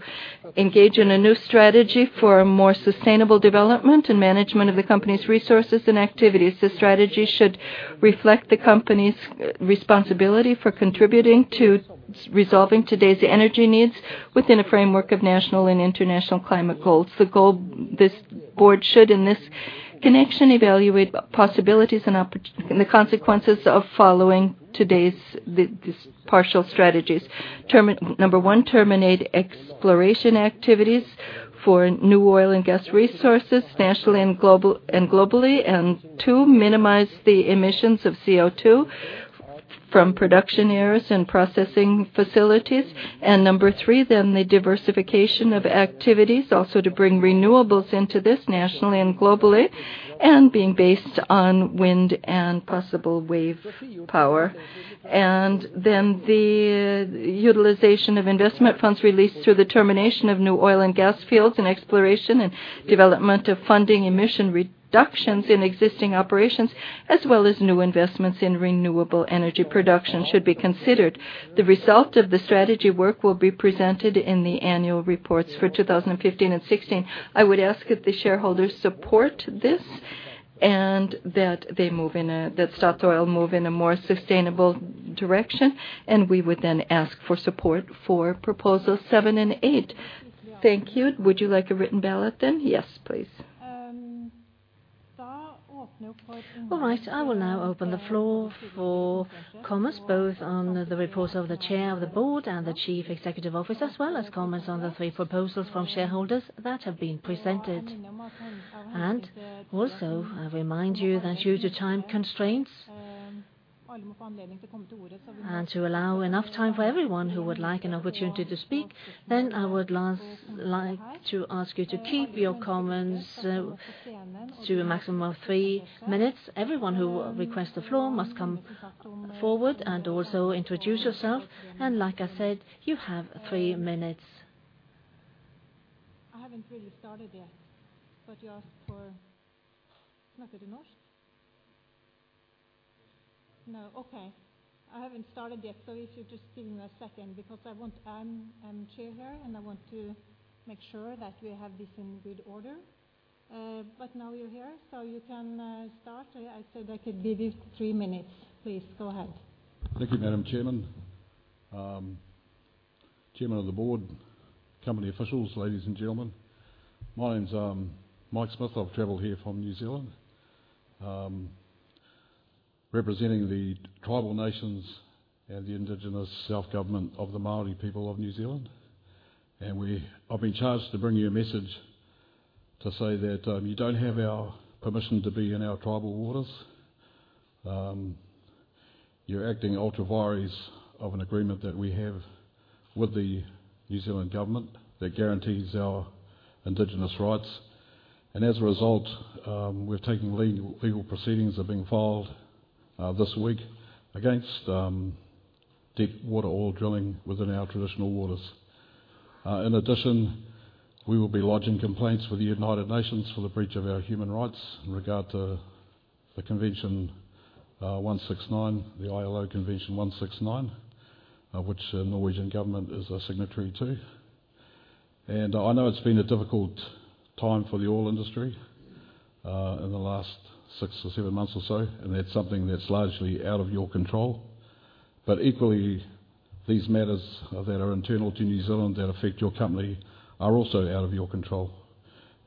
Speaker 5: engage in a new strategy for a more sustainable development and management of the company's resources and activities. The strategy should reflect the company's responsibility for contributing to resolving today's energy needs within a framework of national and international climate goals. The goal this board should, in this connection, evaluate possibilities and the consequences of following today's partial strategies. Number one, terminate exploration activities for new oil and gas resources nationally and globally. Two, minimize the emissions of CO2 from production areas and processing facilities. Number 3, then the diversification of activities also to bring renewables into this nationally and globally, and being based on wind and possible wave power. The utilization of investment funds released through the termination of new oil and gas fields and exploration and development of funding emission reductions in existing operations, as well as new investments in renewable energy production should be considered. The result of the strategy work will be presented in the annual reports for 2015 and 2016. I would ask if the shareholders support this and that Statoil move in a more sustainable direction, and we would then ask for support for proposal 7 and 8. Thank you. Would you like a written ballot then?
Speaker 2: Yes, please. All right. I will now open the floor for comments, both on the reports of the chair of the board and the chief executive officer, as well as comments on the three proposals from shareholders that have been presented. I remind you that due to time constraints, and to allow enough time for everyone who would like an opportunity to speak, I would like to ask you to keep your comments to a maximum of three minutes. Everyone who requests the floor must come forward and also introduce yourself. Like I said, you have three minutes. I haven't really started yet, but you asked for now. Okay. I haven't started yet. If you just give me a second, because I want. I'm chair here, and I want to make sure that we have this in good order. Now you're here, so you can start. I said I could give you three minutes. Please go ahead.
Speaker 6: Thank you, Madam Chairman. Chairman of the board, company officials, ladies and gentlemen. My name's Mike Smith. I've traveled here from New Zealand, representing the tribal nations and the indigenous self-government of the Māori people of New Zealand. I've been charged to bring you a message to say that you don't have our permission to be in our tribal waters. You're acting ultra vires of an agreement that we have with the New Zealand government that guarantees our indigenous rights. As a result, we're taking legal proceedings. Legal proceedings are being filed this week against deep water oil drilling within our traditional waters. In addition, we will be lodging complaints with the United Nations for the breach of our human rights in regard to the Convention, 169, the ILO Convention 169, which the Norwegian government is a signatory to. I know it's been a difficult time for the oil industry, in the last six or seven months or so, and that's something that's largely out of your control. Equally, these matters that are internal to New Zealand that affect your company are also out of your control.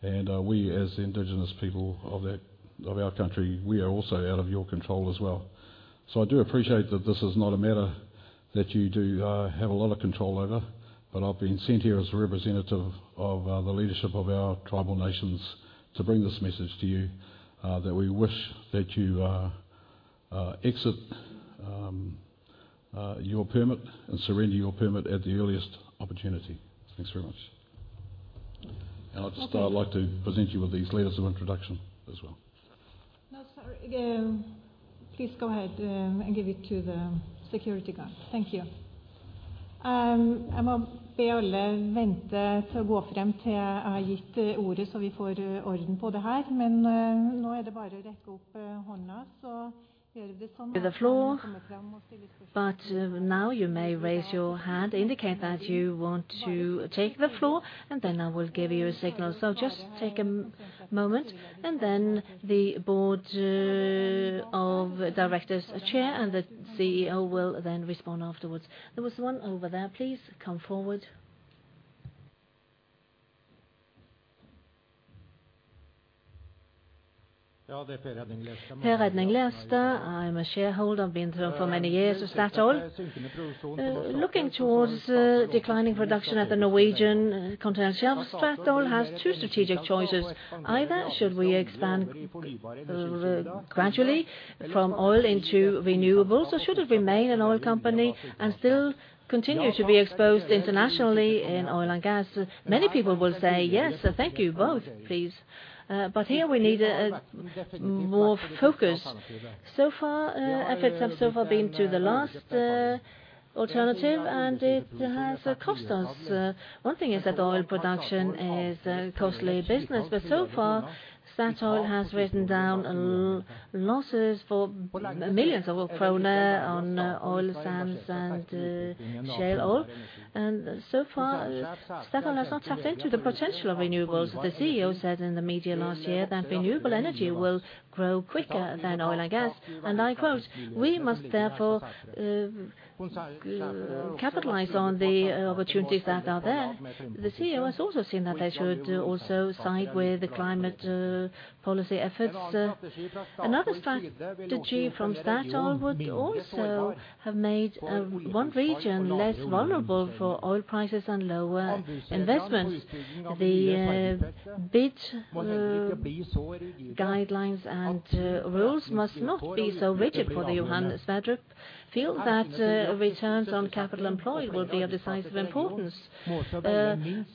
Speaker 6: We, as the indigenous people of that, of our country, we are also out of your control as well. I do appreciate that this is not a matter that you do have a lot of control over, but I've been sent here as a representative of the leadership of our tribal nations to bring this message to you, that we wish that you exit your permit and surrender your permit at the earliest opportunity. Thanks very much.
Speaker 2: Okay.
Speaker 6: I'd like to present you with these letters of introduction as well.
Speaker 2: No, sorry. Please go ahead and give it to the security guard. Thank you. I must ask everyone to wait to come forward until I have given the floor so we can get order in this. Now it's just a matter of raising your hand, so do it like that. The floor. Now you may raise your hand, indicate that you want to take the floor, and then I will give you a signal. Just take a moment, and then the board. of directors, and the CEO will then respond afterwards. There was one over there, please come forward.
Speaker 7: I'm a shareholder. I've been so for many years with Statoil. Looking toward declining production at the Norwegian Continental Shelf, Statoil has two strategic choices. Either should we expand gradually from oil into renewables, or should it remain an oil company and still continue to be exposed internationally in oil and gas? Many people will say, "Yes, thank you, both, please." Here we need more focus. So far efforts have been to the last alternative, and it has cost us. One thing is that oil production is a costly business, but so far, Statoil has written down losses for millions kroner on oil sands and shale oil. So far, Statoil has not tapped into the potential of renewables. The CEO said in the media last year that renewable energy will grow quicker than oil and gas. I quote, "We must therefore capitalize on the opportunities that are there." The CEO has also seen that they should also side with the climate policy efforts. Another strategy from Statoil would also have made one region less vulnerable for oil prices and lower investments. The bid guidelines and rules must not be so rigid for the Johan Sverdrup field that returns on capital employed will be of decisive importance.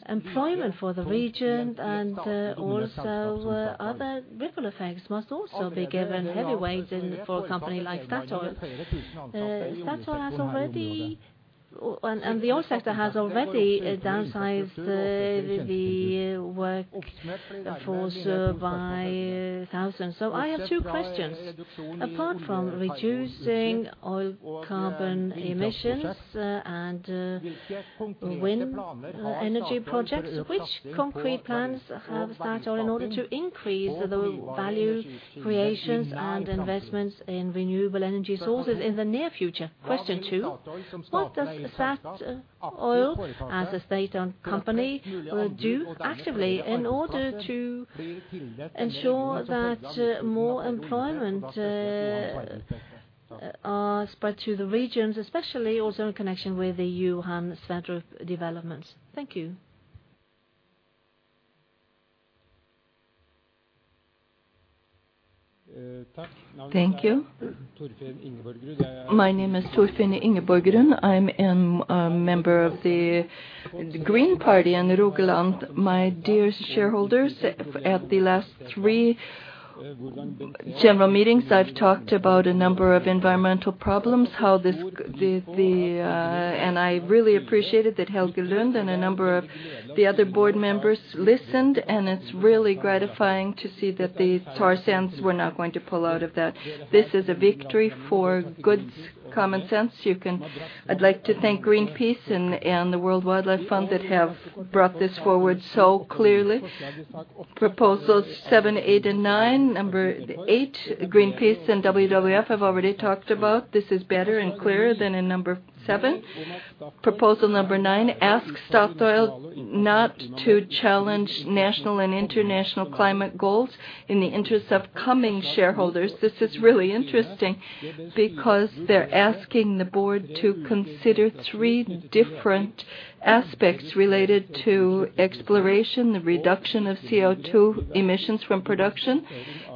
Speaker 7: Employment for the region and also other ripple effects must also be given heavy weight in for a company like Statoil. The oil sector has already downsized the workforce by thousands. I have two questions. Apart from reducing oil carbon emissions and wind energy projects, which concrete plans have Statoil in order to increase the value creations and investments in renewable energy sources in the near future? Question two, what does Statoil, as a state-owned company, will do actively in order to ensure that more employment are spread to the regions, especially also in connection with the Johan Sverdrup developments. Thank you.
Speaker 8: Thank you. My name is Torfinn Ingebrigtsen. I am a member of the Green Party in Rogaland. My dear shareholders, at the last three general meetings, I've talked about a number of environmental problems. I really appreciated that Helge Lund and a number of the other board members listened, and it's really gratifying to see that the oil sands, we're now going to pull out of that. This is a victory for good common sense. I'd like to thank Greenpeace and the World Wildlife Fund that have brought this forward so clearly. Proposals 7, 8, and 9. Number 8, Greenpeace and WWF have already talked about. This is better and clearer than in number 7. Proposal number 9 asks Statoil not to challenge national and international climate goals in the interest of coming shareholders. This is really interesting because they're asking the board to consider three different aspects related to exploration, the reduction of CO2 emissions from production,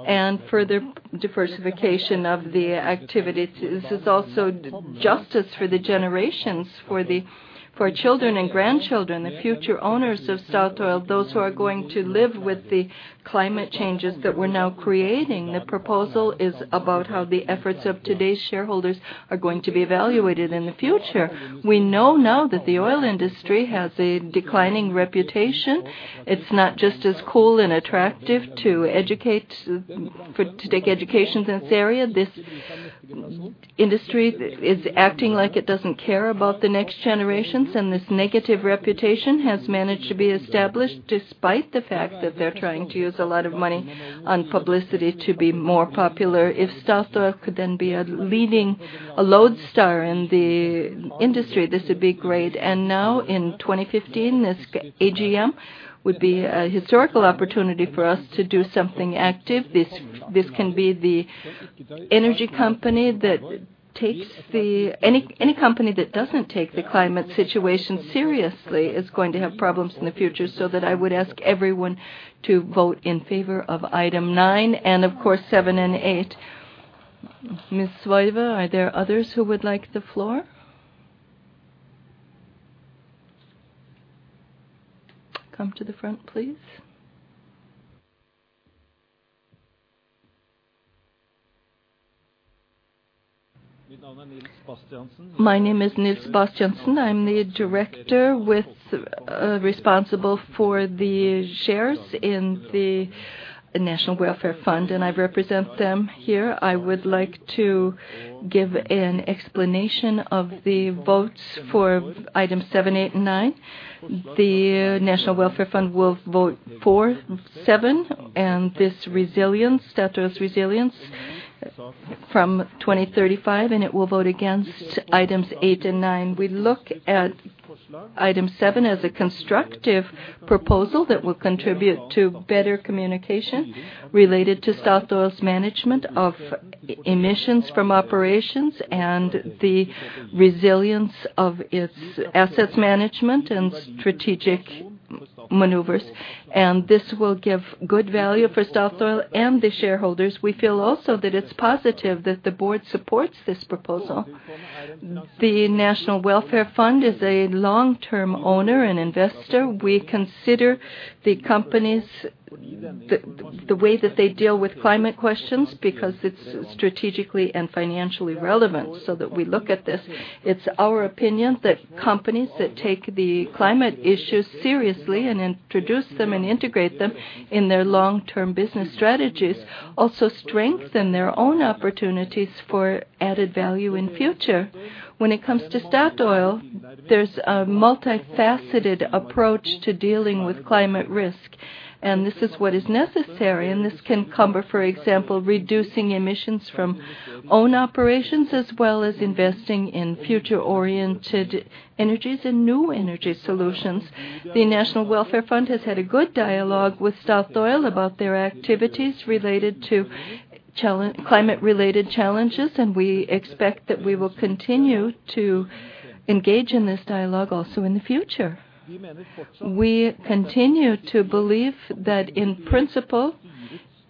Speaker 8: and further diversification of the activity. This is also justice for the generations, for children and grandchildren, the future owners of Statoil, those who are going to live with the climate changes that we're now creating. The proposal is about how the efforts of today's shareholders are going to be evaluated in the future. We know now that the oil industry has a declining reputation. It's not just as cool and attractive to take education in this area. This industry is acting like it doesn't care about the next generations, and this negative reputation has managed to be established despite the fact that they're trying to use a lot of money on publicity to be more popular. If Statoil could then be a leading, a lodestar in the industry, this would be great. Now in 2015, this AGM would be a historical opportunity for us to do something active. This can be the energy company. Any company that doesn't take the climate situation seriously is going to have problems in the future. That I would ask everyone to vote in favor of item 9, and of course 7 and 8. Ms. Svarva, are there others who would like the floor?
Speaker 1: Come to the front, please.
Speaker 9: My name is Nils Bastiansen. I'm the director responsible for the shares in Folketrygdfondet, and I represent them here. I would like to give an explanation of the votes for items 7, 8, and 9. Folketrygdfondet will vote for 7, and this resilience, Statoil's resilience. From 2035 and it will vote against items 8 and 9. We look at item 7 as a constructive proposal that will contribute to better communication related to Statoil's management of emissions from operations and the resilience of its assets management and strategic maneuvers. This will give good value for Statoil and the shareholders. We feel also that it's positive that the board supports this proposal. The National Welfare Fund is a long-term owner and investor. We consider the companies' way that they deal with climate questions because it's strategically and financially relevant so that we look at this. It's our opinion that companies that take the climate issues seriously and introduce them and integrate them in their long-term business strategies also strengthen their own opportunities for added value in future. When it comes to Statoil, there's a multifaceted approach to dealing with climate risk, and this is what is necessary. This can cover, for example, reducing emissions from own operations, as well as investing in future-oriented energies and new energy solutions. The National Welfare Fund has had a good dialogue with Statoil about their activities related to climate-related challenges, and we expect that we will continue to engage in this dialogue also in the future. We continue to believe that in principle,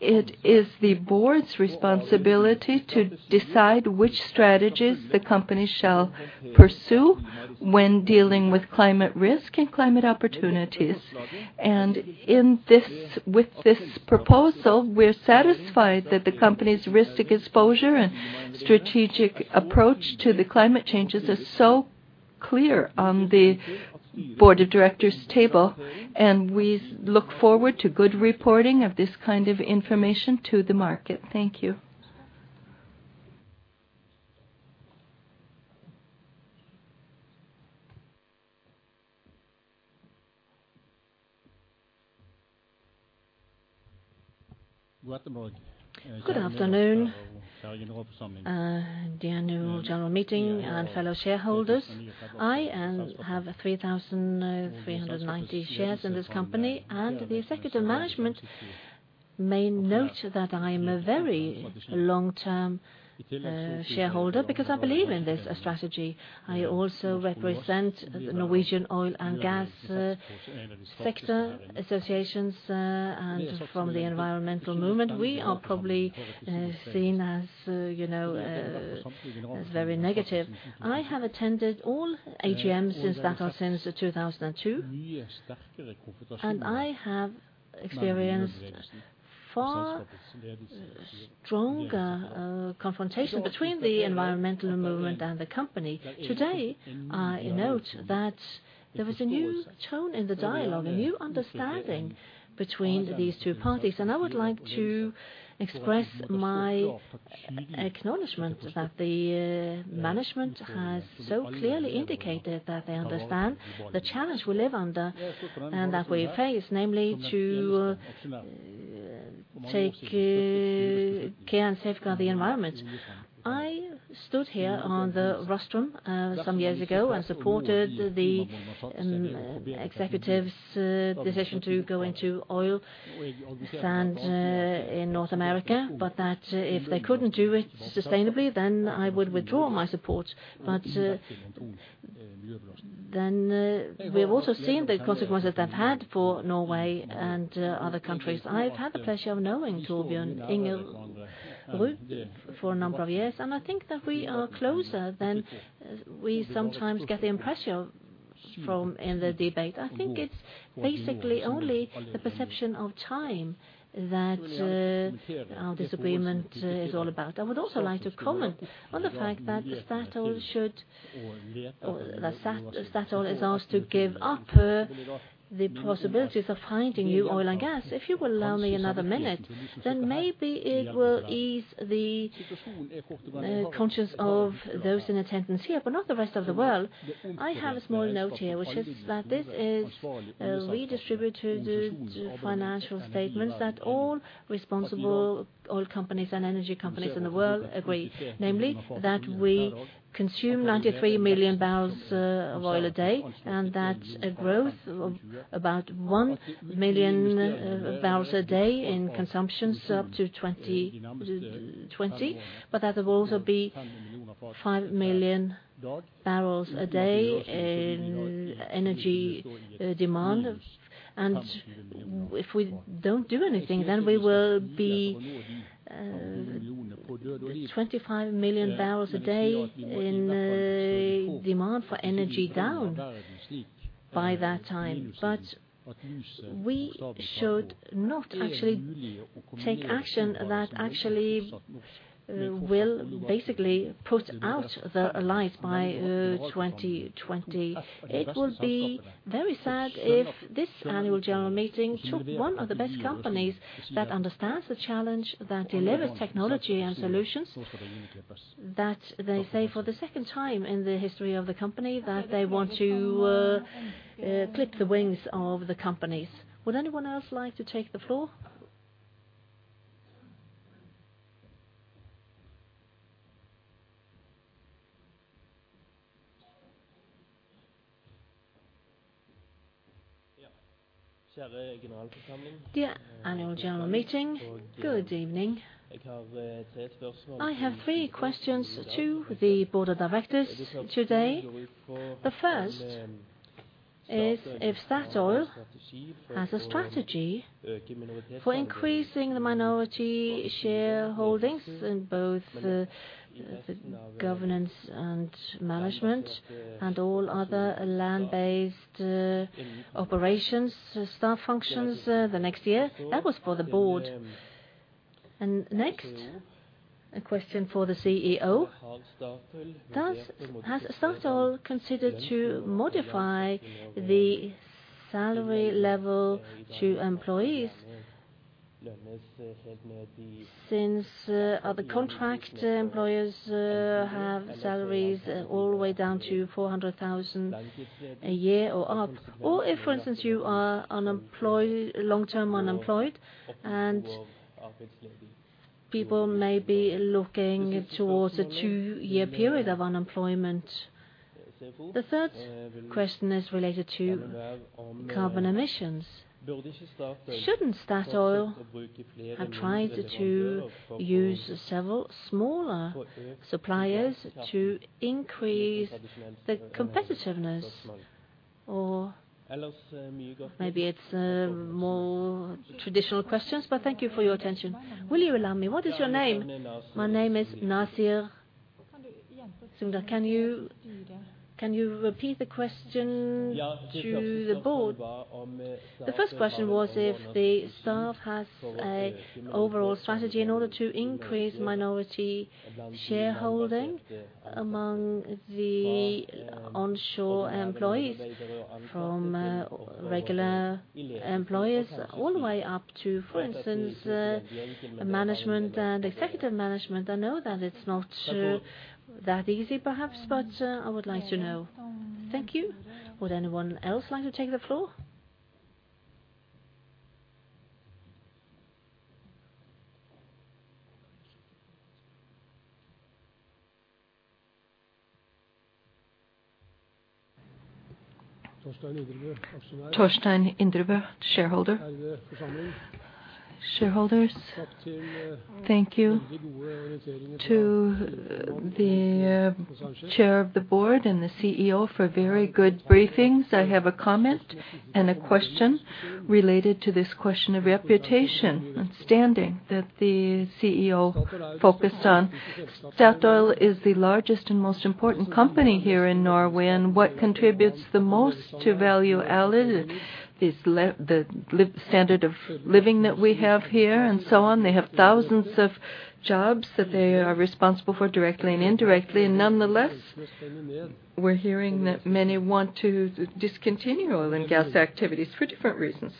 Speaker 9: it is the board's responsibility to decide which strategies the company shall pursue when dealing with climate risk and climate opportunities. In this, with this proposal, we're satisfied that the company's risk exposure and strategic approach to the climate changes is so clear on the board of directors table, and we look forward to good reporting of this kind of information to the market. Thank you.
Speaker 2: Good afternoon, the annual general meeting and fellow shareholders. I have 3,390 shares in this company, and the executive management may note that I am a very long-term shareholder because I believe in this strategy. I also represent the Norsk olje og gass sector associations, and from the environmental movement, we are probably seen as, you know, as very negative. I have attended all AGMs since Statoil since 2002. I have experienced far stronger confrontation between the environmental movement and the company. Today, I note that there is a new tone in the dialogue, a new understanding between these two parties. I would like to express my acknowledgement that the management has so clearly indicated that they understand the challenge we live under and that we face, namely to take care and safeguard the environment. I stood here on the rostrum some years ago and supported the executives' decision to go into oil sands in North America, but that if they couldn't do it sustainably, then I would withdraw my support. We have also seen the consequences that had for Norway and other countries. I've had the pleasure of knowing Torfinn Ingebrigtsen for a number of years, and I think that we are closer than we sometimes get the impression from in the debate. I think it's basically only the perception of time that our disagreement is all about. I would also like to comment on the fact that Statoil should or that Statoil is asked to give up the possibilities of finding new oil and gas. If you will allow me another minute, then maybe it will ease the conscience of those in attendance here, but not the rest of the world. I have a small note here, which is that this is a representative statement that all responsible oil companies and energy companies in the world agree, namely that we consume 93 million barrels of oil a day and that a growth of about 1 million barrels a day in consumption up to 2020, but that there will also be 5 million barrels a day in energy demand. If we don't do anything, then we will be 25 million barrels a day in demand for energy down by that time. We should not actually take action that actually will basically put out the light by 2020. It will be very sad if this annual general meeting took one of the best companies that understands the challenge that delivers technology and solutions that they say for the second time in the history of the company that they want to clip the wings of the companies. Would anyone else like to take the floor?
Speaker 10: Dear annual general meeting, good evening. I have three questions to the Board of Directors today. The first is if Statoil has a strategy for increasing the minority shareholdings in both the governance and management and all other land-based operations staff functions the next year. That was for the board. Next, a question for the CEO. Has Statoil considered to modify the salary level to employees? Since other contract employers have salaries all the way down to 400,000 a year or up, or if, for instance, you are unemployed, long-term unemployed and people may be looking towards a two-year period of unemployment. The third question is related to carbon emissions. Shouldn't Statoil have tried to use several smaller suppliers to increase the competitiveness? Or maybe it's more traditional questions, but thank you for your attention.
Speaker 8: Will you allow me? What is your name?
Speaker 10: My name is Nasir Zinder.
Speaker 8: Can you repeat the question to the board?
Speaker 10: The first question was if the staff has an overall strategy in order to increase minority shareholding among the onshore employees from regular employees all the way up to, for instance, management and executive management. I know that it's not that easy, perhaps, but I would like to know.
Speaker 8: Thank you. Would anyone else like to take the floor? Torstein Indrebø, shareholder.
Speaker 10: Shareholders, thank you to the Chair of the Board and the CEO for very good briefings. I have a comment and a question related to this question of reputation and standing that the CEO focused on. Statoil is the largest and most important company here in Norway, and what contributes the most to value added is the standard of living that we have here and so on. They have thousands of jobs that they are responsible for, directly and indirectly. Nonetheless, we're hearing that many want to discontinue oil and gas activities for different reasons.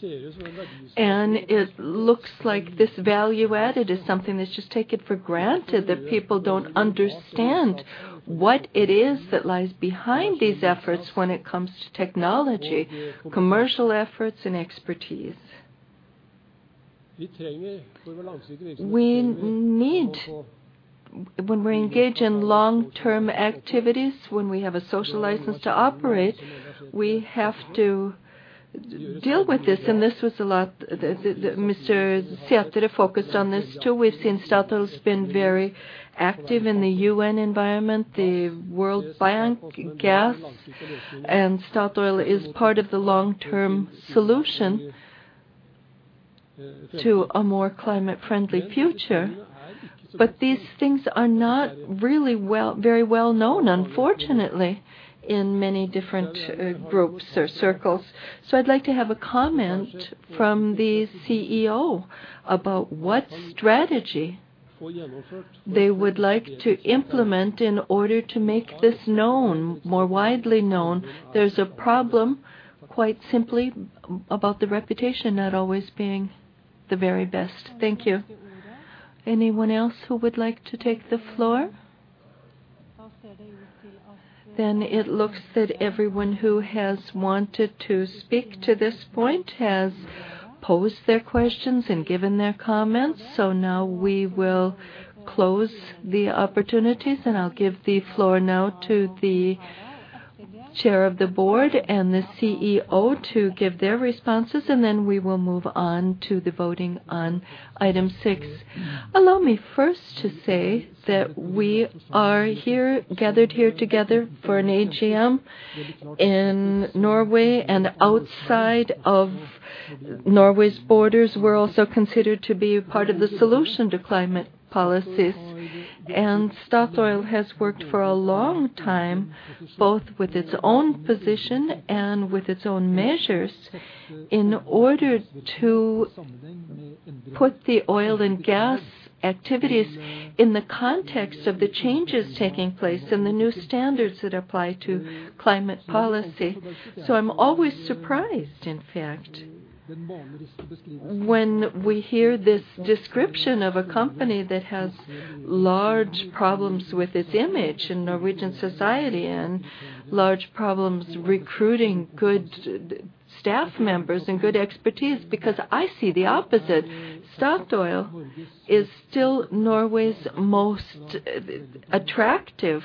Speaker 10: It looks like this value added is something that's just taken for granted, that people don't understand what it is that lies behind these efforts when it comes to technology, commercial efforts and expertise. We need when we engage in long-term activities, when we have a social license to operate, we have to deal with this. This was a lot that Mr. Sætre focused on this, too. We've seen Statoil's been very active in the UN environment, the World Bank gas, and Statoil is part of the long-term solution to a more climate-friendly future. These things are not really well, very well known, unfortunately, in many different groups or circles. I'd like to have a comment from the CEO about what strategy they would like to implement in order to make this known, more widely known. There's a problem, quite simply, about the reputation not always being the very best. Thank you.
Speaker 8: Anyone else who would like to take the floor? It looks that everyone who has wanted to speak to this point has posed their questions and given their comments. Now we will close the opportunities, and I'll give the floor now to the Chair of the Board and the CEO to give their responses. We will move on to the voting on item six.
Speaker 1: Allow me first to say that we are here, gathered here together for an AGM in Norway and outside of Norway's borders. We're also considered to be part of the solution to climate policies. Statoil has worked for a long time, both with its own position and with its own measures, in order to put the oil and gas activities in the context of the changes taking place and the new standards that apply to climate policy. I'm always surprised, in fact, when we hear this description of a company that has large problems with its image in Norwegian society and large problems recruiting good staff members and good expertise, because I see the opposite. Statoil is still Norway's most attractive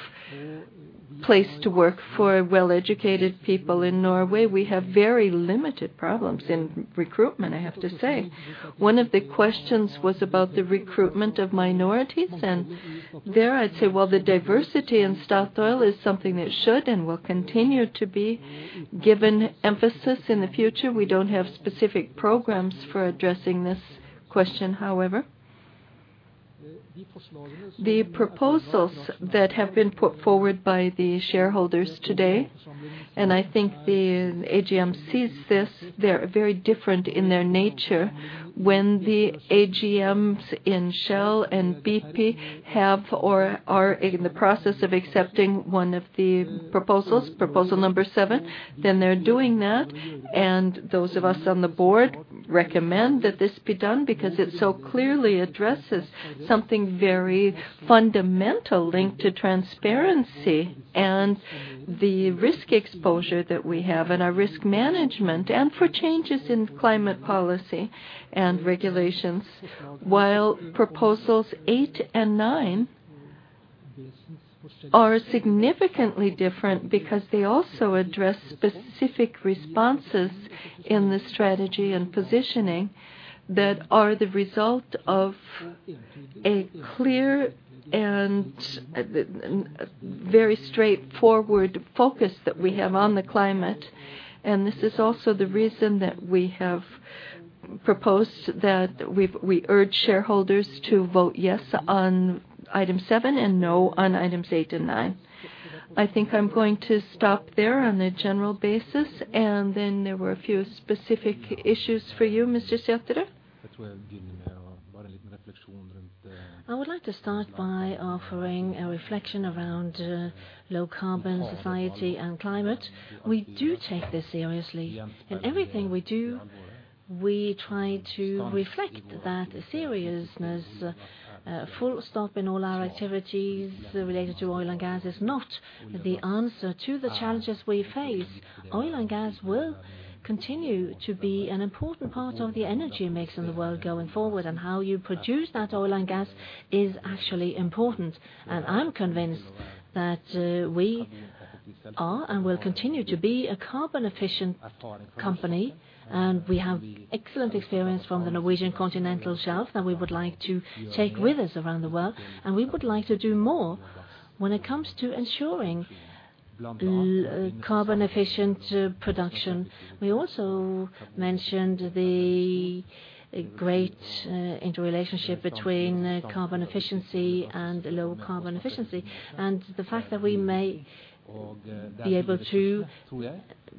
Speaker 1: place to work for well-educated people in Norway. We have very limited problems in recruitment, I have to say. One of the questions was about the recruitment of minorities. There I'd say, well, the diversity in Statoil is something that should and will continue to be given emphasis in the future. We don't have specific programs for addressing this question, however. The proposals that have been put forward by the shareholders today, and I think the AGM sees this, they're very different in their nature. When the AGMs in Shell and BP have or are in the process of accepting one of the proposals, proposal number seven, then they're doing that. Those of us on the board recommend that this be done because it so clearly addresses something very fundamental linked to transparency and the risk exposure that we have in our risk management and for changes in climate policy and regulations. While proposals eight and nine are significantly different because they also address specific responses in the strategy and positioning that are the result of a clear and very straightforward focus that we have on the climate. This is also the reason that we have proposed that we urge shareholders to vote yes on item seven and no on items eight and nine. I think I'm going to stop there on a general basis. Then there were a few specific issues for you, Mr. Sætre.
Speaker 2: I would like to start by offering a reflection around low carbon society and climate. We do take this seriously. In everything we do, we try to reflect that seriousness. Full stop in all our activities related to oil and gas is not the answer to the challenges we face. Oil and gas will continue to be an important part of the energy mix in the world going forward, and how you produce that oil and gas is actually important. I'm convinced that we are and will continue to be a carbon-efficient company, and we have excellent experience from the Norwegian Continental Shelf that we would like to take with us around the world, and we would like to do more when it comes to ensuring carbon-efficient production. We also mentioned the great interrelationship between carbon efficiency and low carbon efficiency, and the fact that we may be able to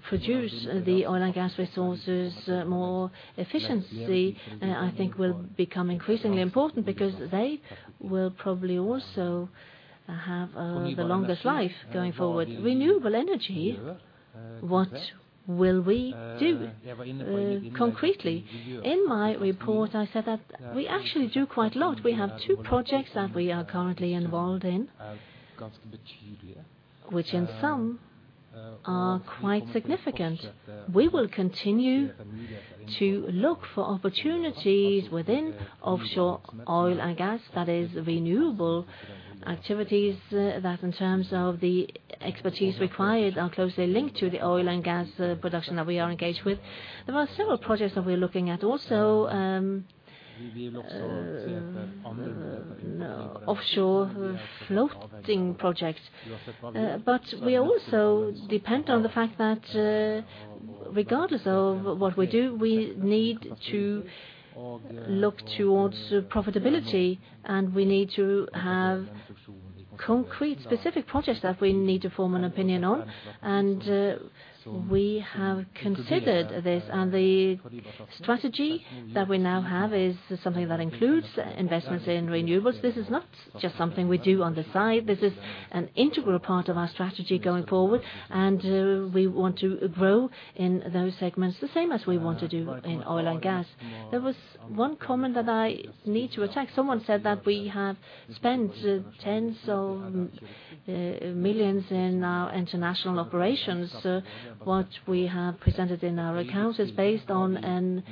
Speaker 2: produce the oil and gas resources more efficiently, I think, will become increasingly important because they will probably also have the longest life going forward. Renewable energy, what will we do concretely? In my report, I said that we actually do quite a lot. We have 2 projects that we are currently involved in, which in sum are quite significant. We will continue to look for opportunities within offshore oil and gas, that is renewable activities that in terms of the expertise required are closely linked to the oil and gas production that we are engaged with. There are several projects that we're looking at also, offshore floating projects. We also depend on the fact that, regardless of what we do, we need to look toward profitability, and we need to have concrete specific projects that we need to form an opinion on. We have considered this, and the strategy that we now have is something that includes investments in renewables. This is not just something we do on the side. This is an integral part of our strategy going forward, and we want to grow in those segments the same as we want to do in oil and gas. There was one comment that I need to attack. Someone said that we have spent $tens of millions in our international operations. What we have presented in our accounts is based on a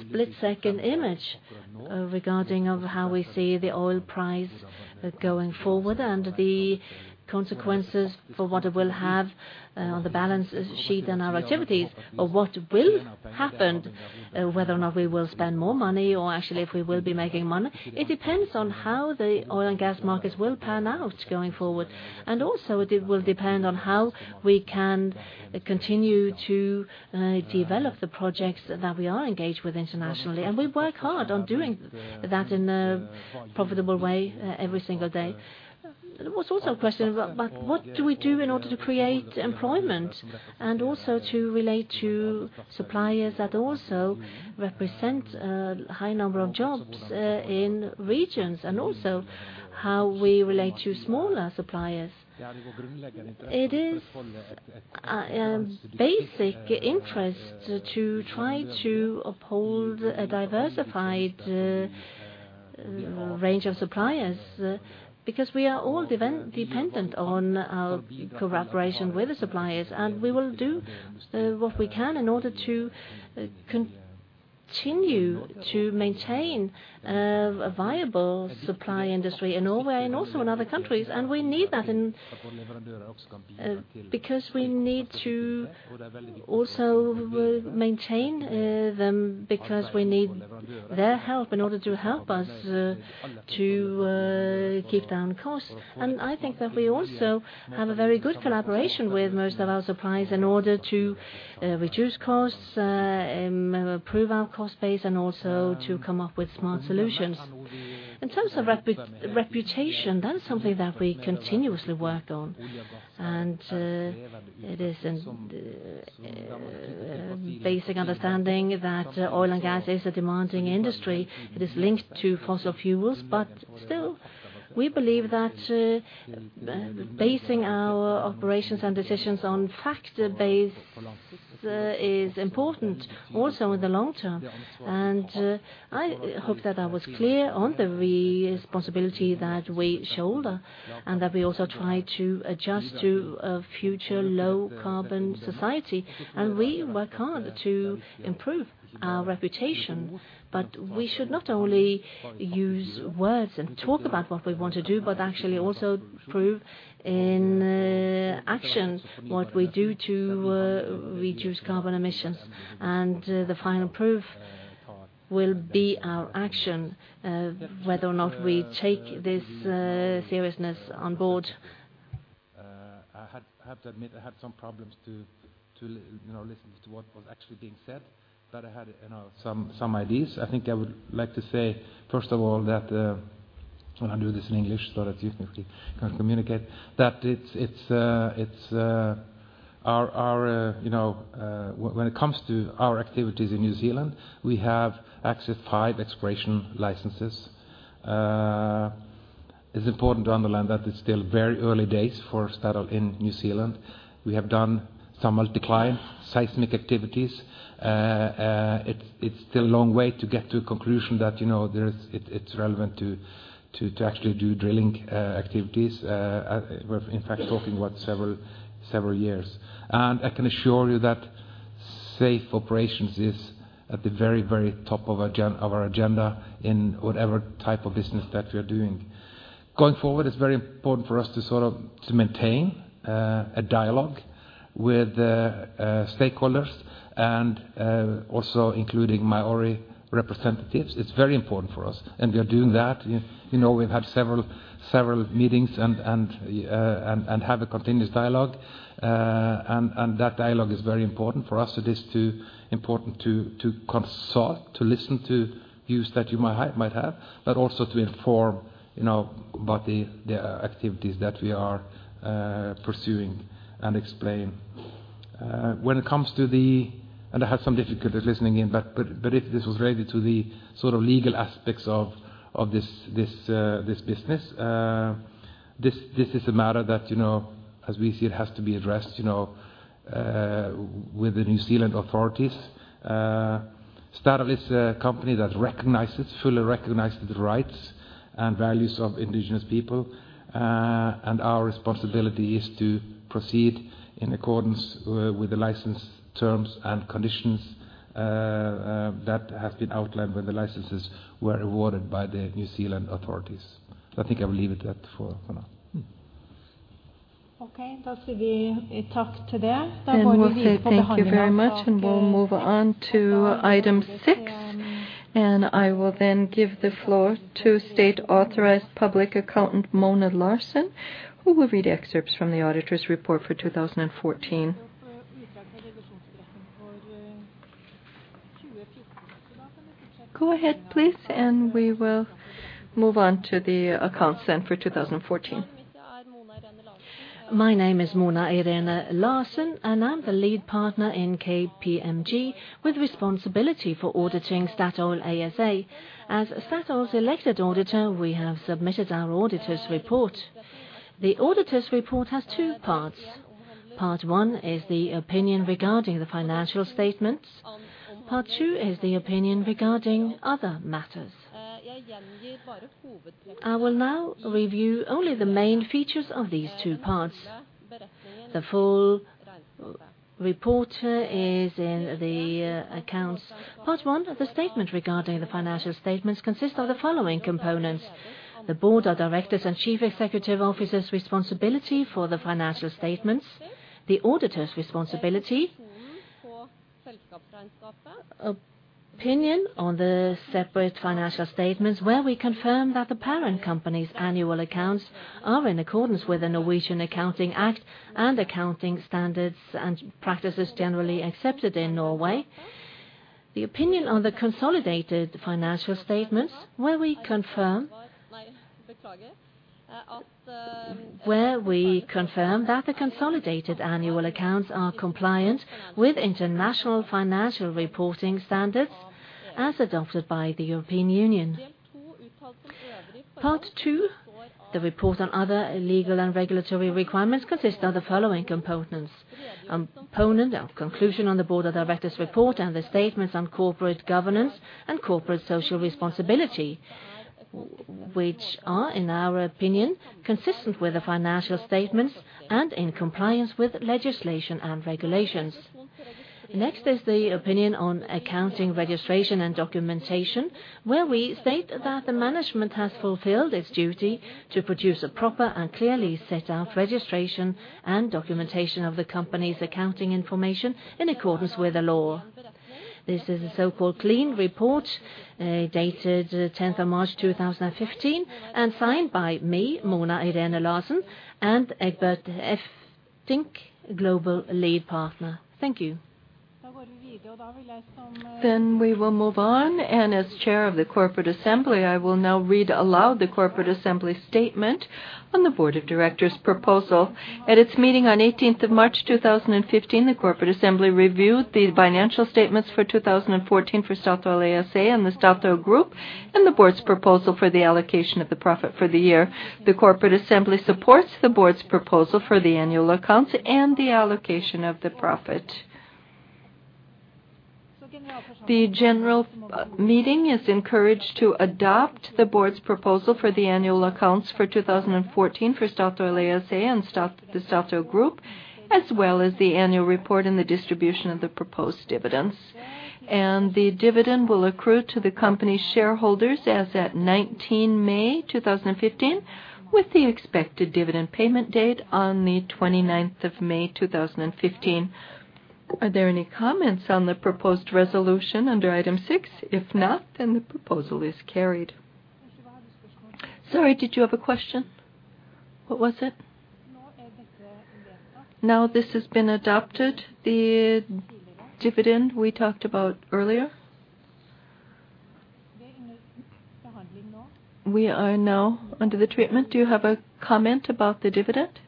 Speaker 2: split-second image regarding how we see the oil price going forward and the consequences for what it will have on the balance sheet and our activities of what will happen, whether or not we will spend more money or actually if we will be making money. It depends on how the oil and gas markets will pan out going forward. Also, it will depend on how we can continue to develop the projects that we are engaged with internationally. We work hard on doing that in a profitable way every single day. There was also a question about what do we do in order to create employment and also to relate to suppliers that also represent a high number of jobs in regions and also how we relate to smaller suppliers. It is a basic interest to try to uphold a diversified range of suppliers because we are all deeply dependent on our collaboration with the suppliers, and we will do what we can in order to continue to maintain a viable supply industry in Norway and also in other countries. We need that because we need to also maintain them because we need their help in order to help us to keep down costs. I think that we also have a very good collaboration with most of our suppliers in order to reduce costs and improve our cost base and also to come up with smart solutions. In terms of reputation, that is something that we continuously work on. It is a basic understanding that oil and gas is a demanding industry. It is linked to fossil fuels. Still, we believe that basing our operations and decisions on fact base is important also in the long term. I hope that I was clear on the responsibility that we shoulder and that we also try to adjust to a future low carbon society. We work hard to improve our reputation. We should not only use words and talk about what we want to do, but actually also prove in action what we do to reduce carbon emissions. The final proof will be our action whether or not we take this seriousness on board.
Speaker 3: I have to admit I had some problems too, you know, to listen to what was actually being said. I had, you know, some ideas. I think I would like to say, first of all, that and I'll do this in English so that you can communicate, that it's our, you know, when it comes to our activities in New Zealand, we have access to five exploration licenses. It's important to underline that it's still very early days for Statoil in New Zealand. We have done some multiclient seismic activities. It's still a long way to get to a conclusion that, you know, it's relevant to actually do drilling activities. We're in fact talking about several years. I can assure you that safe operations is at the very, very top of our agenda in whatever type of business that we are doing. Going forward, it's very important for us to sort of to maintain a dialogue with stakeholders and also including Māori representatives. It's very important for us, and we are doing that. You know, we've had several meetings and have a continuous dialogue. That dialogue is very important for us. It is too important to consult, to listen to views that you might have, but also to inform, you know, about the activities that we are pursuing and explain. I had some difficulties listening in, but if this was related to the sort of legal aspects of this business, this is a matter that, you know, as we see it, has to be addressed, you know, with the New Zealand authorities. Statoil is a company that fully recognizes the rights and values of indigenous people. Our responsibility is to proceed in accordance with the license terms and conditions that have been outlined when the licenses were awarded by the New Zealand authorities. I think I will leave it at that for now.
Speaker 1: Okay. We say thank you very much, and we'll move on to item six. I will then give the floor to State Authorized Public Accountant Mona Larsen, who will read excerpts from the Auditor's report for 2014. Go ahead, please, and we will move on to the accounts then for 2014.
Speaker 11: My name is Mona Irene Larsen, and I'm the lead partner in KPMG with responsibility for auditing Statoil ASA. As Statoil's elected auditor, we have submitted our auditor's report. The auditor's report has two parts. Part one is the opinion regarding the financial statements. Part two is the opinion regarding other matters. I will now review only the main features of these two parts. The full report is in the accounts. Part one of the statement regarding the financial statements consists of the following components. The Board of Directors and Chief Executive Officer's responsibility for the financial statements, the auditor's responsibility, opinion on the separate financial statements where we confirm that the parent company's annual accounts are in accordance with the Norwegian Accounting Act and accounting standards and practices generally accepted in Norway. The opinion on the consolidated financial statements where we confirm that the consolidated annual accounts are compliant with International Financial Reporting Standards as adopted by the European Union. Part two, the report on other legal and regulatory requirements consist of the following components. Component of conclusion on the board of directors report and the statements on corporate governance and corporate social responsibility, which are, in our opinion, consistent with the financial statements and in compliance with legislation and regulations. Next is the opinion on accounting registration and documentation, where we state that the management has fulfilled its duty to produce a proper and clearly set out registration and documentation of the company's accounting information in accordance with the law. This is a so-called clean report, dated the tenth of March 2015, and signed by me, Mona Irene Larsen, and Egbert Eeftink, Global Lead Partner. Thank you.
Speaker 1: We will move on, and as Chair of the Corporate Assembly, I will now read aloud the Corporate Assembly statement on the Board of Directors' proposal. At its meeting on 18th of March 2015, the Corporate Assembly reviewed the financial statements for 2014 for Statoil ASA and the Statoil Group, and the Board's proposal for the allocation of the profit for the year. The Corporate Assembly supports the Board's proposal for the annual accounts and the allocation of the profit. The general meeting is encouraged to adopt the Board's proposal for the annual accounts for 2014 for Statoil ASA and the Statoil Group, as well as the annual report and the distribution of the proposed dividends. The dividend will accrue to the company's shareholders as at 19 May 2015, with the expected dividend payment date on the 29th of May 2015. Are there any comments on the proposed resolution under item six? If not, then the proposal is carried. Sorry, did you have a question? What was it? Now this has been adopted, the dividend we talked about earlier. We are now under the treatment. Do you have a comment about the dividend?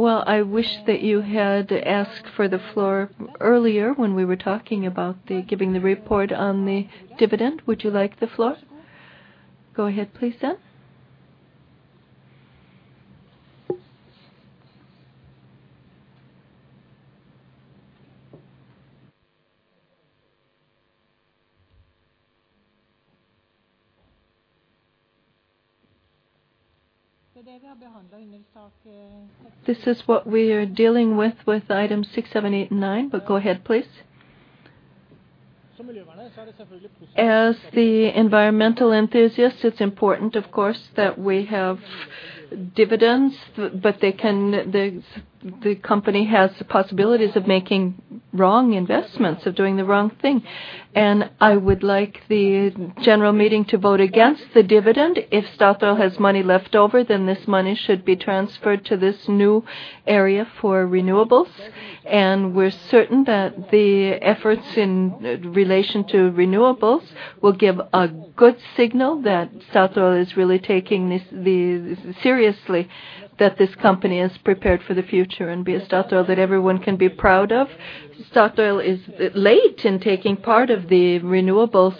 Speaker 1: Well, I wish that you had asked for the floor earlier when we were talking about the giving the report on the dividend. Would you like the floor? Go ahead please, then. This is what we are dealing with item six, seven, eight, and nine, but go ahead, please. As the environmental enthusiast, it's important of course that we have dividends, but they can. The company has the possibilities of making wrong investments, of doing the wrong thing. I would like the general meeting to vote against the dividend. If Statoil has money left over, then this money should be transferred to this new area for renewables. We're certain that the efforts in relation to renewables will give a good signal that Statoil is really taking this seriously, that this company is prepared for the future and be a Statoil that everyone can be proud of. Statoil is late in taking part of the renewables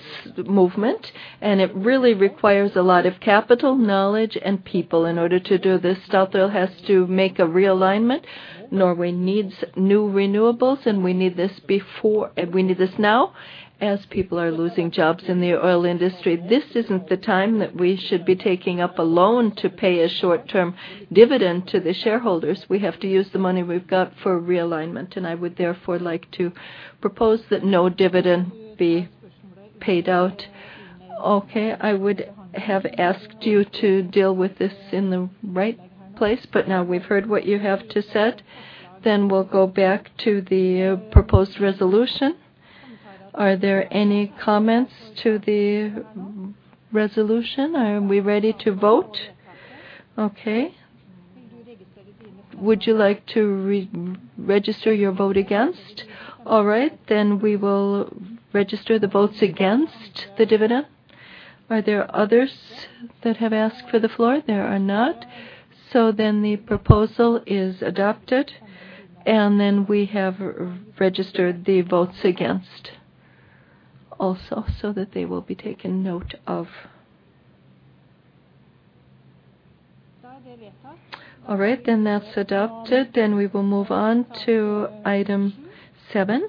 Speaker 1: movement, and it really requires a lot of capital, knowledge, and people. In order to do this, Statoil has to make a realignment. Norway needs new renewables, and we need this now as people are losing jobs in the oil industry. This isn't the time that we should be taking up a loan to pay a short-term dividend to the shareholders. We have to use the money we've got for realignment, and I would therefore like to propose that no dividend be paid out. Okay. I would have asked you to deal with this in the right place, but now we've heard what you have to say. We'll go back to the proposed resolution. Are there any comments to the resolution? Are we ready to vote? Okay. Would you like to re-register your vote against? All right, we will register the votes against the dividend. Are there others that have asked for the floor? There are not. The proposal is adopted, and we have registered the votes against also so that they will be taken note of. All right, that's adopted. We will move on to item seven.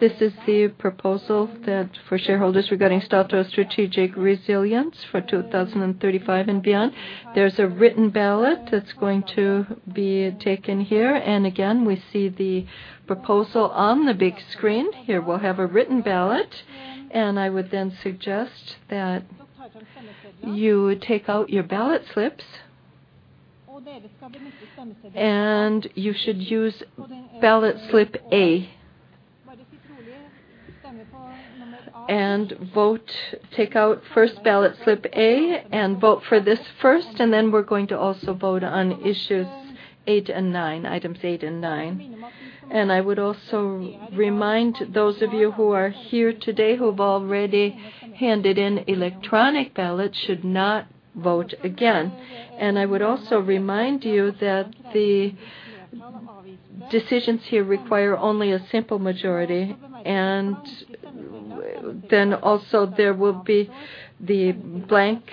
Speaker 1: This is the proposal that for shareholders regarding Statoil strategic resilience for 2035 and beyond. There's a written ballot that's going to be taken here. Again, we see the proposal on the big screen. Here we'll have a written ballot, and I would then suggest that you take out your ballot slips. You should use ballot slip A. Vote, take out first ballot slip A and vote for this first, and then we're going to also vote on issues 8 and 9, items 8 and 9. I would also remind those of you who are here today who have already handed in electronic ballots should not vote again. I would also remind you that the decisions here require only a simple majority, and then also there will be the blank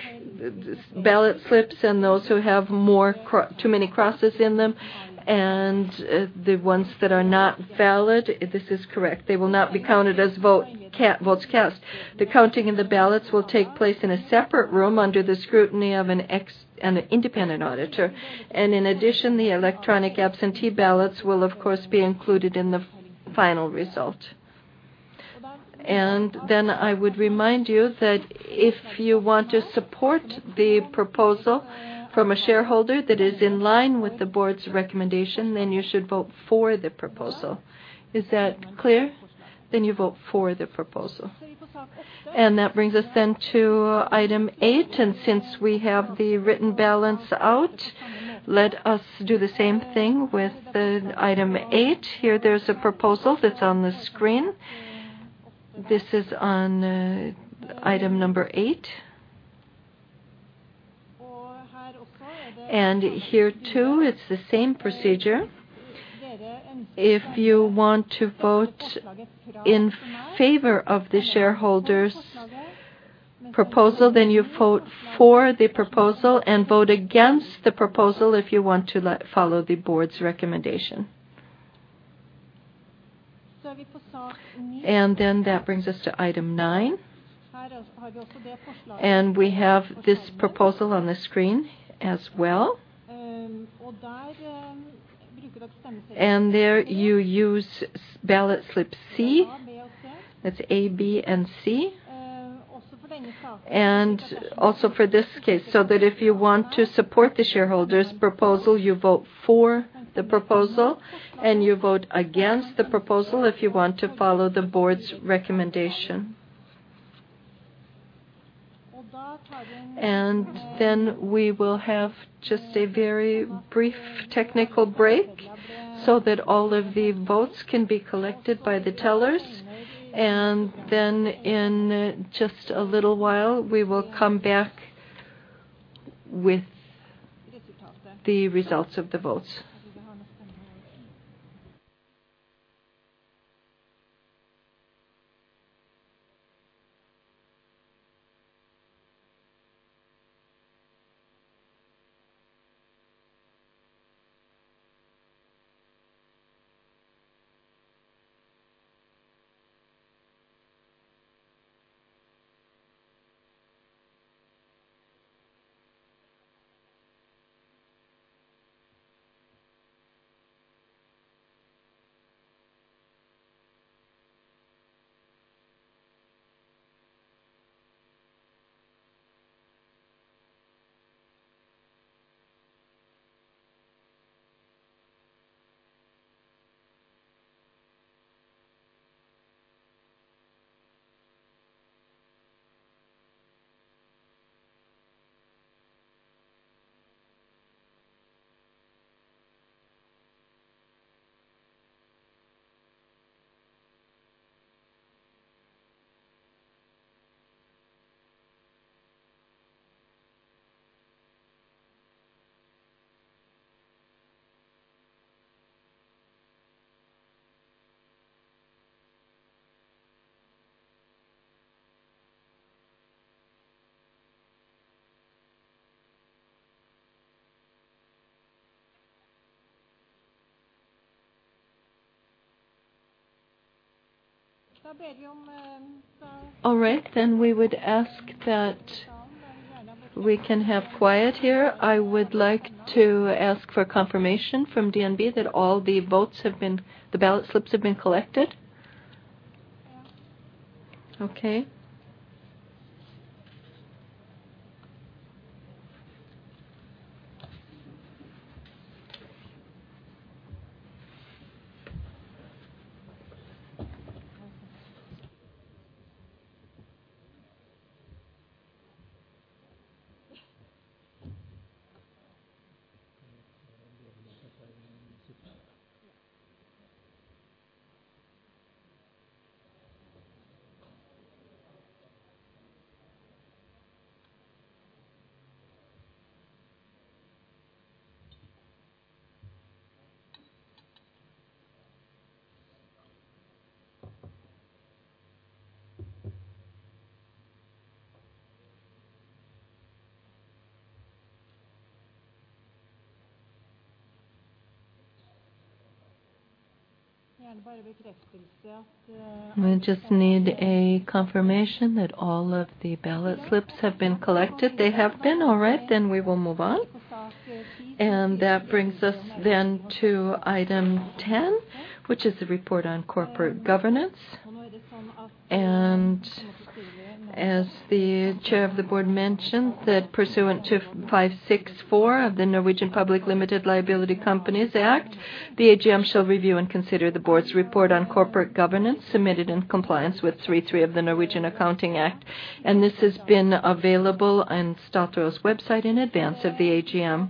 Speaker 1: ballot slips and those who have too many crosses in them, and the ones that are not valid, if this is correct, they will not be counted as votes cast. The counting of the ballots will take place in a separate room under the scrutiny of an independent auditor. In addition, the electronic absentee ballots will of course be included in the final result. I would remind you that if you want to support the proposal from a shareholder that is in line with the board's recommendation, then you should vote for the proposal. Is that clear? You vote for the proposal. That brings us then to item 8, and since we have the written ballot out, let us do the same thing with item 8. Here there's a proposal that's on the screen. This is on item number 8. Here, too, it's the same procedure. If you want to vote in favor of the shareholder's proposal, then you vote for the proposal and vote against the proposal if you want to follow the board's recommendation. That brings us to item 9. We have this proposal on the screen as well. There you use ballot slip C. That's A, B, and C. Also for this case, so that if you want to support the shareholder's proposal, you vote for the proposal, and you vote against the proposal if you want to follow the board's recommendation. We will have just a very brief technical break so that all of the votes can be collected by the tellers. In just a little while, we will come back with the results of the votes. All right. We would ask that we can have quiet here. I would like to ask for confirmation from DNB that all the ballot slips have been collected. Yeah. Okay. We just need a confirmation that all of the ballot slips have been collected. They have been. All right, we will move on. That brings us then to item 10, which is the report on corporate governance. As the Chair of the Board mentioned, that pursuant to 5-64 of the Norwegian Public Limited Liability Companies Act, the AGM shall review and consider the board's report on corporate governance submitted in compliance with 3-3 of the Norwegian Accounting Act. This has been available on Statoil's website in advance of the AGM,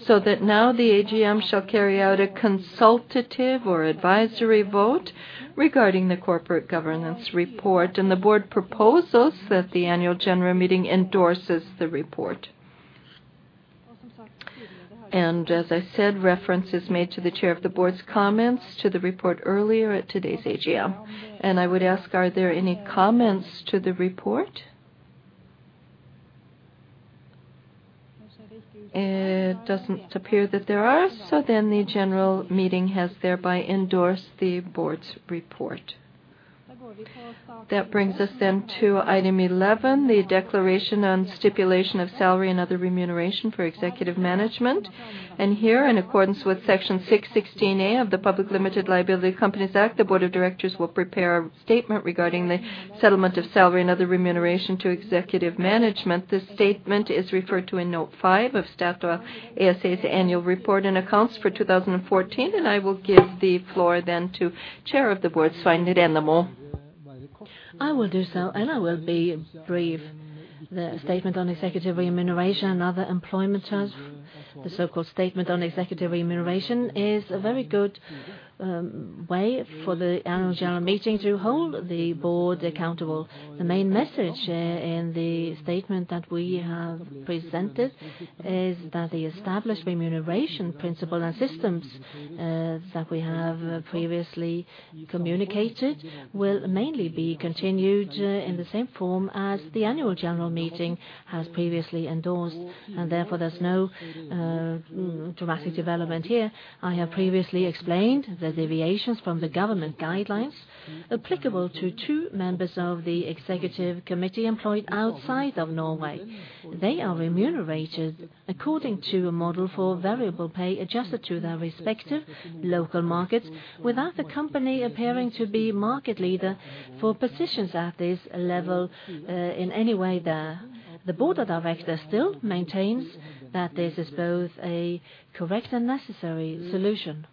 Speaker 1: so that now the AGM shall carry out a consultative or advisory vote regarding the corporate governance report. The board proposes that the annual general meeting endorses the report. As I said, reference is made to the Chair of the Board's comments to the report earlier at today's AGM. I would ask, are there any comments to the report? It doesn't appear that there are, so then the general meeting has thereby endorsed the board's report. That brings us then to item 11, the declaration on stipulation of salary and other remuneration for executive management. Here, in accordance with Section 6-16 A of the Public Limited Liability Companies Act, the board of directors will prepare a statement regarding the settlement of salary and other remuneration to executive management. This statement is referred to in note 5 of Statoil ASA's annual report and accounts for 2014, and I will give the floor then to Chair of the Board, Svein Rennemo.
Speaker 2: I will do so, and I will be brief. The statement on executive remuneration and other employment terms, the so-called Statement on Executive Remuneration, is a very good way for the annual general meeting to hold the board accountable. The main message in the statement that we have presented is that the established remuneration principle and systems that we have previously communicated will mainly be continued in the same form as the annual general meeting has previously endorsed, and therefore there's no dramatic development here. I have previously explained the deviations from the government guidelines applicable to two members of the executive committee employed outside of Norway. They are remunerated according to a model for variable pay adjusted to their respective local markets without the company appearing to be market leader for positions at this level in any way there. The Board of Directors still maintains that this is both a correct and necessary solution.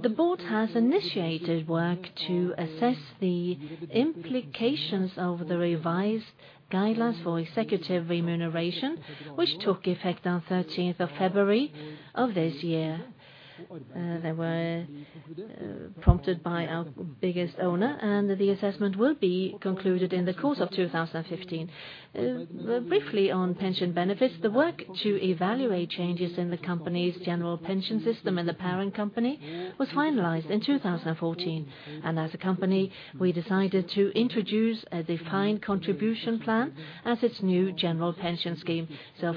Speaker 2: The board has initiated work to assess the implications of the revised guidelines for executive remuneration, which took effect on 13th of February of this year. They were prompted by our biggest owner, and the assessment will be concluded in the course of 2015. Briefly on pension benefits, the work to evaluate changes in the company's general pension system in the parent company was finalized in 2014. As a company, we decided to introduce a defined contribution plan as its new general pension scheme.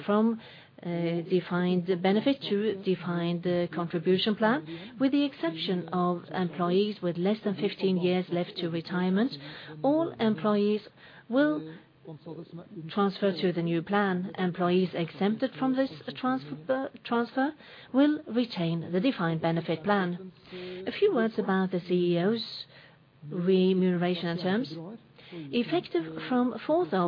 Speaker 2: From a defined benefit to defined contribution plan, with the exception of employees with less than 15 years left to retirement, all employees will transfer to the new plan. Employees exempted from this transfer will retain the defined benefit plan. A few words about the CEO's remuneration terms. Effective from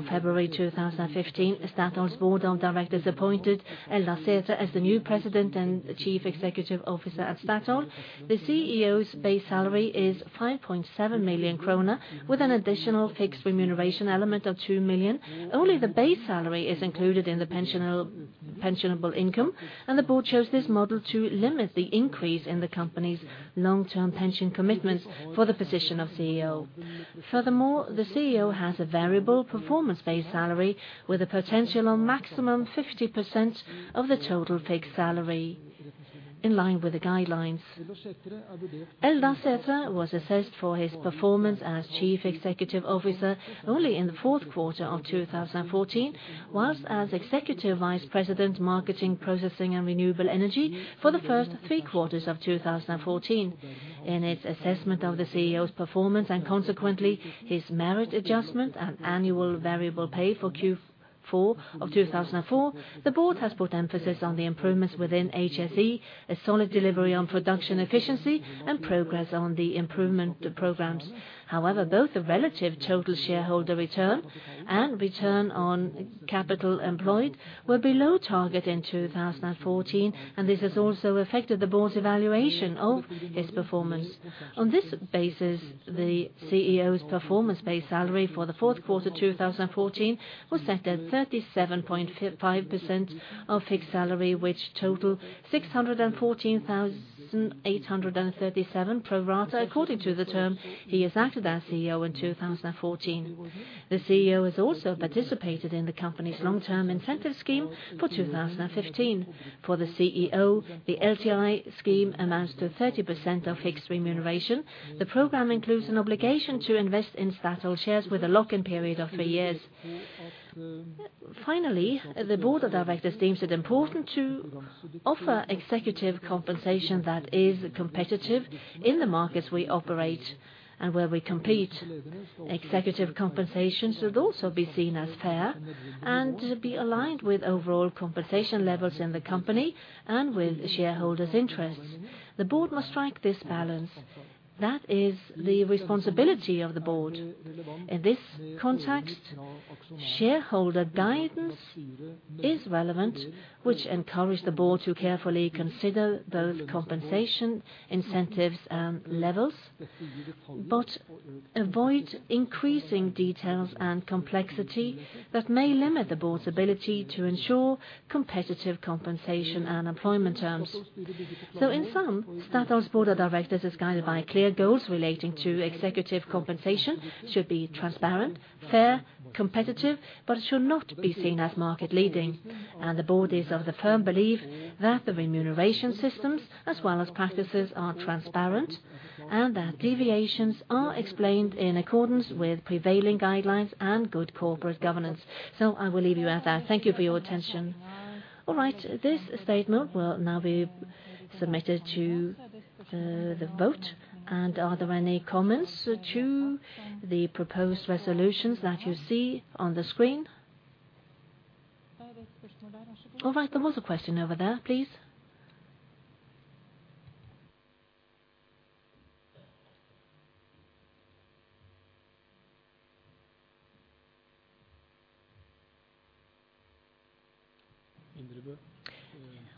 Speaker 2: February 4, 2015, Statoil's Board of Directors appointed Eldar Sætre as the new President and Chief Executive Officer at Statoil. The CEO's base salary is 5.7 million kroner, with an additional fixed remuneration element of 2 million. Only the base salary is included in the pensionable income, and the board chose this model to limit the increase in the company's long-term pension commitments for the position of CEO. Furthermore, the CEO has a variable performance-based salary with a potential maximum 50% of the total fixed salary in line with the guidelines. Eldar Sætre was assessed for his performance as Chief Executive Officer only in the fourth quarter of 2014, while as Executive Vice President, Marketing, Processing and Renewable Energy for the first three quarters of 2014. In its assessment of the CEO's performance and consequently his merit adjustment and annual variable pay for Q4 of 2004, the board has put emphasis on the improvements within HSE, a solid delivery on production efficiency and progress on the improvement programs. However, both the relative total shareholder return and return on capital employed were below target in 2014, and this has also affected the board's evaluation of his performance. On this basis, the CEO's performance-based salary for the fourth quarter 2014 was set at 37.5% of fixed salary, which total 614,837 pro rata, according to the term he has acted as CEO in 2014. The CEO has also participated in the company's long-term incentive scheme for 2015. For the CEO, the LTI scheme amounts to 30% of fixed remuneration. The program includes an obligation to invest in Statoil shares with a lock-in period of three years. Finally, the Board of Directors deems it important to offer executive compensation that is competitive in the markets we operate and where we compete. Executive compensation should also be seen as fair and be aligned with overall compensation levels in the company and with shareholders' interests. The board must strike this balance. That is the responsibility of the board. In this context, shareholder guidance is relevant, which encourage the board to carefully consider both compensation, incentives, and levels, but avoid increasing details and complexity that may limit the board's ability to ensure competitive compensation and employment terms. In sum, Statoil's Board of Directors is guided by clear goals relating to executive compensation, should be transparent, fair, competitive, but should not be seen as market leading. The board is of the firm belief that the remuneration systems as well as practices are transparent, and that deviations are explained in accordance with prevailing guidelines and good corporate governance. I will leave you at that. Thank you for your attention.
Speaker 8: All right. This statement will now be submitted to the vote. Are there any comments to the proposed resolutions that you see on the screen? All right, there was a question over there, please.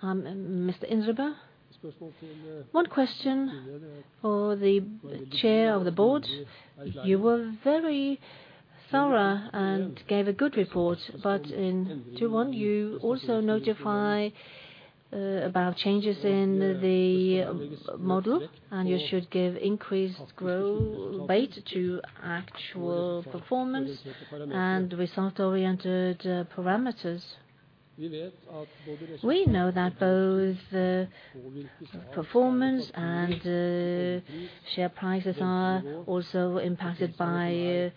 Speaker 8: Mr. Indrebø, one question for the chair of the board. You were very thorough and gave a good report, but in 21 you also notify about changes in the model, and you should give increased greater weight to actual performance and result-oriented parameters. We know that both performance and share prices are also impacted by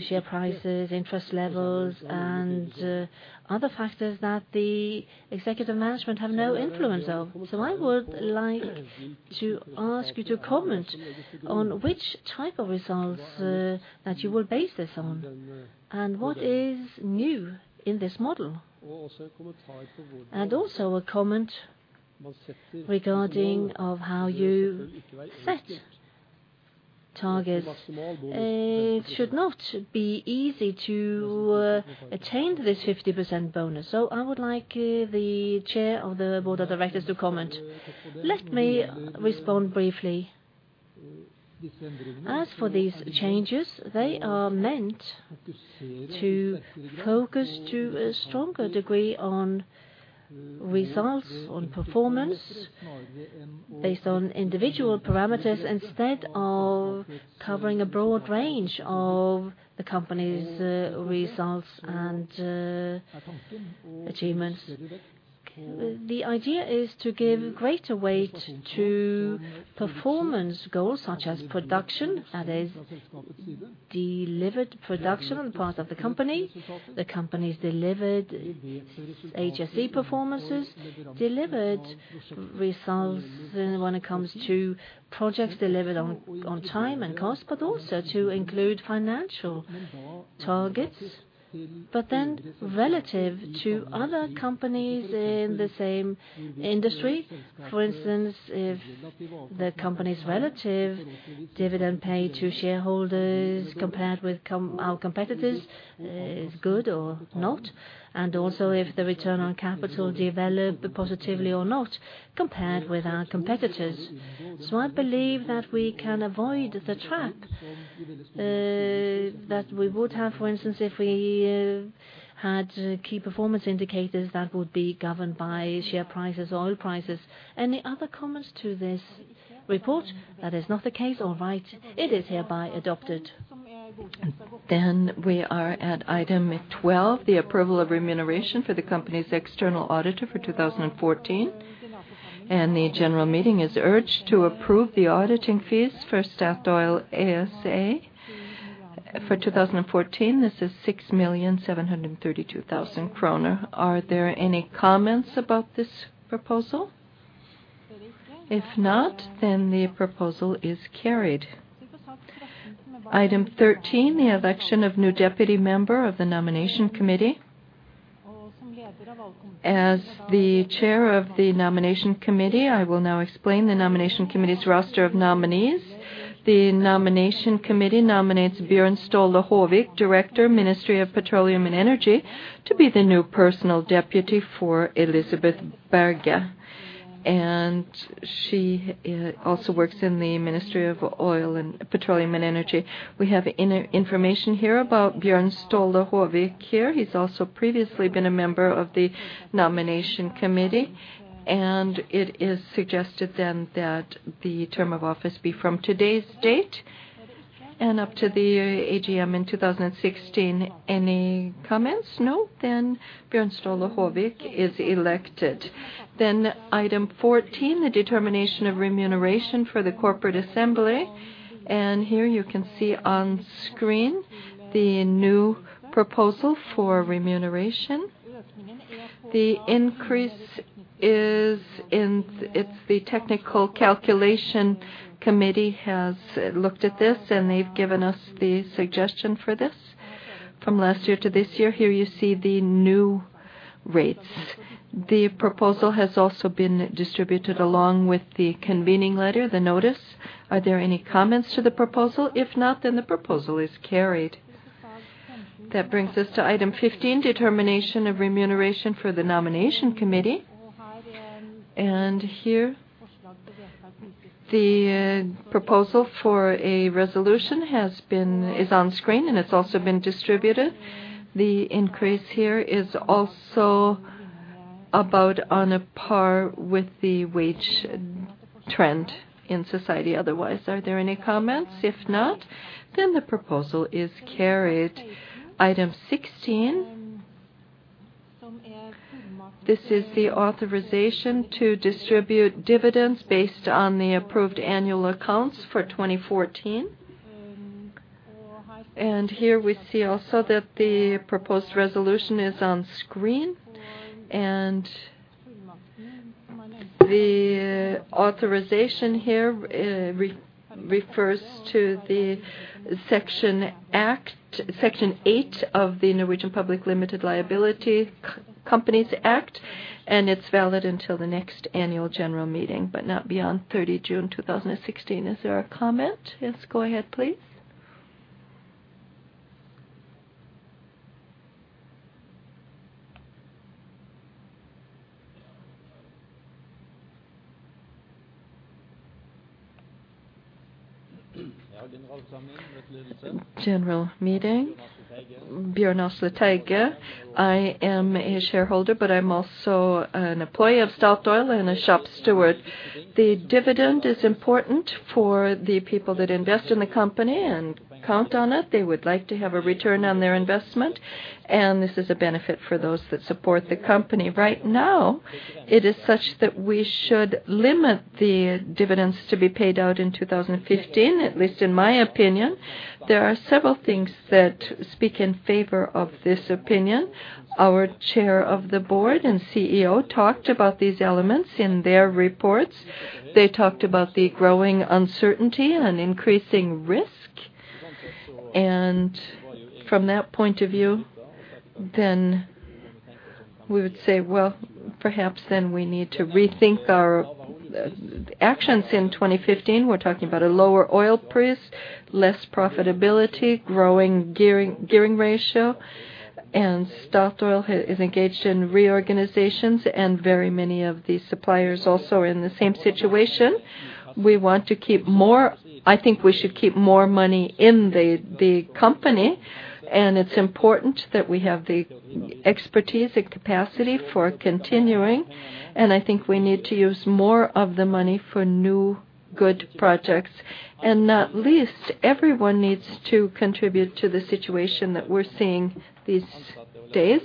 Speaker 8: share prices, interest levels, and other factors that the executive management have no influence of. I would like to ask you to comment on which type of results that you will base this on, and what is new in this model. Also a comment regarding how you set targets. It should not be easy to attain this 50% bonus. I would like the chair of the board of directors to comment. Let me respond briefly. As for these changes, they are meant to focus to a stronger degree on results, on performance based on individual parameters, instead of covering a broad range of the company's results and achievements. The idea is to give greater weight to performance goals such as production, that is delivered production on the part of the company, the company's delivered HSE performances, delivered results when it comes to projects delivered on time and cost, but also to include financial targets. Relative to other companies in the same industry, for instance, if the company's relative dividend paid to shareholders compared with our competitors is good or not, and also if the return on capital developed positively or not compared with our competitors. I believe that we can avoid the trap, that we would have, for instance, if we had key performance indicators that would be governed by share prices, oil prices. Any other comments to this report? That is not the case. All right. It is hereby adopted. We are at item 12, the approval of remuneration for the company's external auditor for 2014. The general meeting is urged to approve the auditing fees for Statoil ASA for 2014. This is 6.732 million kroner. Are there any comments about this proposal? If not, then the proposal is carried. Item 13, the election of new deputy member of the nomination committee. As the chair of the nomination committee, I will now explain the nomination committee's roster of nominees. The nomination committee nominates Bjørn Ståle Haavik, Director, Ministry of Petroleum and Energy, to be the new personal deputy for Elisabeth Berge. She also works in the Ministry of Petroleum and Energy. We have information here about Bjørn Ståle Haavik here. He's also previously been a member of the nomination committee, and it is suggested then that the term of office be from today's date and up to the AGM in 2016. Any comments? No. Bjørn Ståle Haavik is elected. Item 14, the determination of remuneration for the corporate assembly. Here you can see on screen the new proposal for remuneration. The increase is. It's the technical calculation committee has looked at this, and they've given us the suggestion for this from last year to this year. Here you see the new rates. The proposal has also been distributed along with the convening letter, the notice. Are there any comments to the proposal? If not, then the proposal is carried. That brings us to item 15, determination of remuneration for the nomination committee. Here the proposal for a resolution is on screen, and it's also been distributed. The increase here is also about on a par with the wage trend in society otherwise. Are there any comments? If not, then the proposal is carried. Item 16. This is the authorization to distribute dividends based on the approved annual accounts for 2014.
Speaker 12: Here we see also that the proposed resolution is on screen, and the authorization here refers to section eight of the Norwegian Public Limited Liability Companies Act, and it's valid until the next annual general meeting, but not beyond thirty June two thousand and sixteen. Is there a comment? Yes, go ahead, please. General meeting, Bjørnar Slettebø. I am a shareholder, but I'm also an employee of Statoil and a shop steward. The dividend is important for the people that invest in the company and count on it. They would like to have a return on their investment, and this is a benefit for those that support the company. Right now, it is such that we should limit the dividends to be paid out in two thousand and fifteen, at least in my opinion. There are several things that speak in favor of this opinion.
Speaker 1: Our chair of the board and CEO talked about these elements in their reports. They talked about the growing uncertainty and increasing risk. From that point of view, then we would say, well, perhaps then we need to rethink our actions in 2015. We're talking about a lower oil price, less profitability, growing gearing ratio, and Statoil has engaged in reorganizations, and very many of the suppliers also are in the same situation. We want to keep more. I think we should keep more money in the company, and it's important that we have the expertise and capacity for continuing, and I think we need to use more of the money for new good projects. Not least, everyone needs to contribute to the situation that we're seeing these days.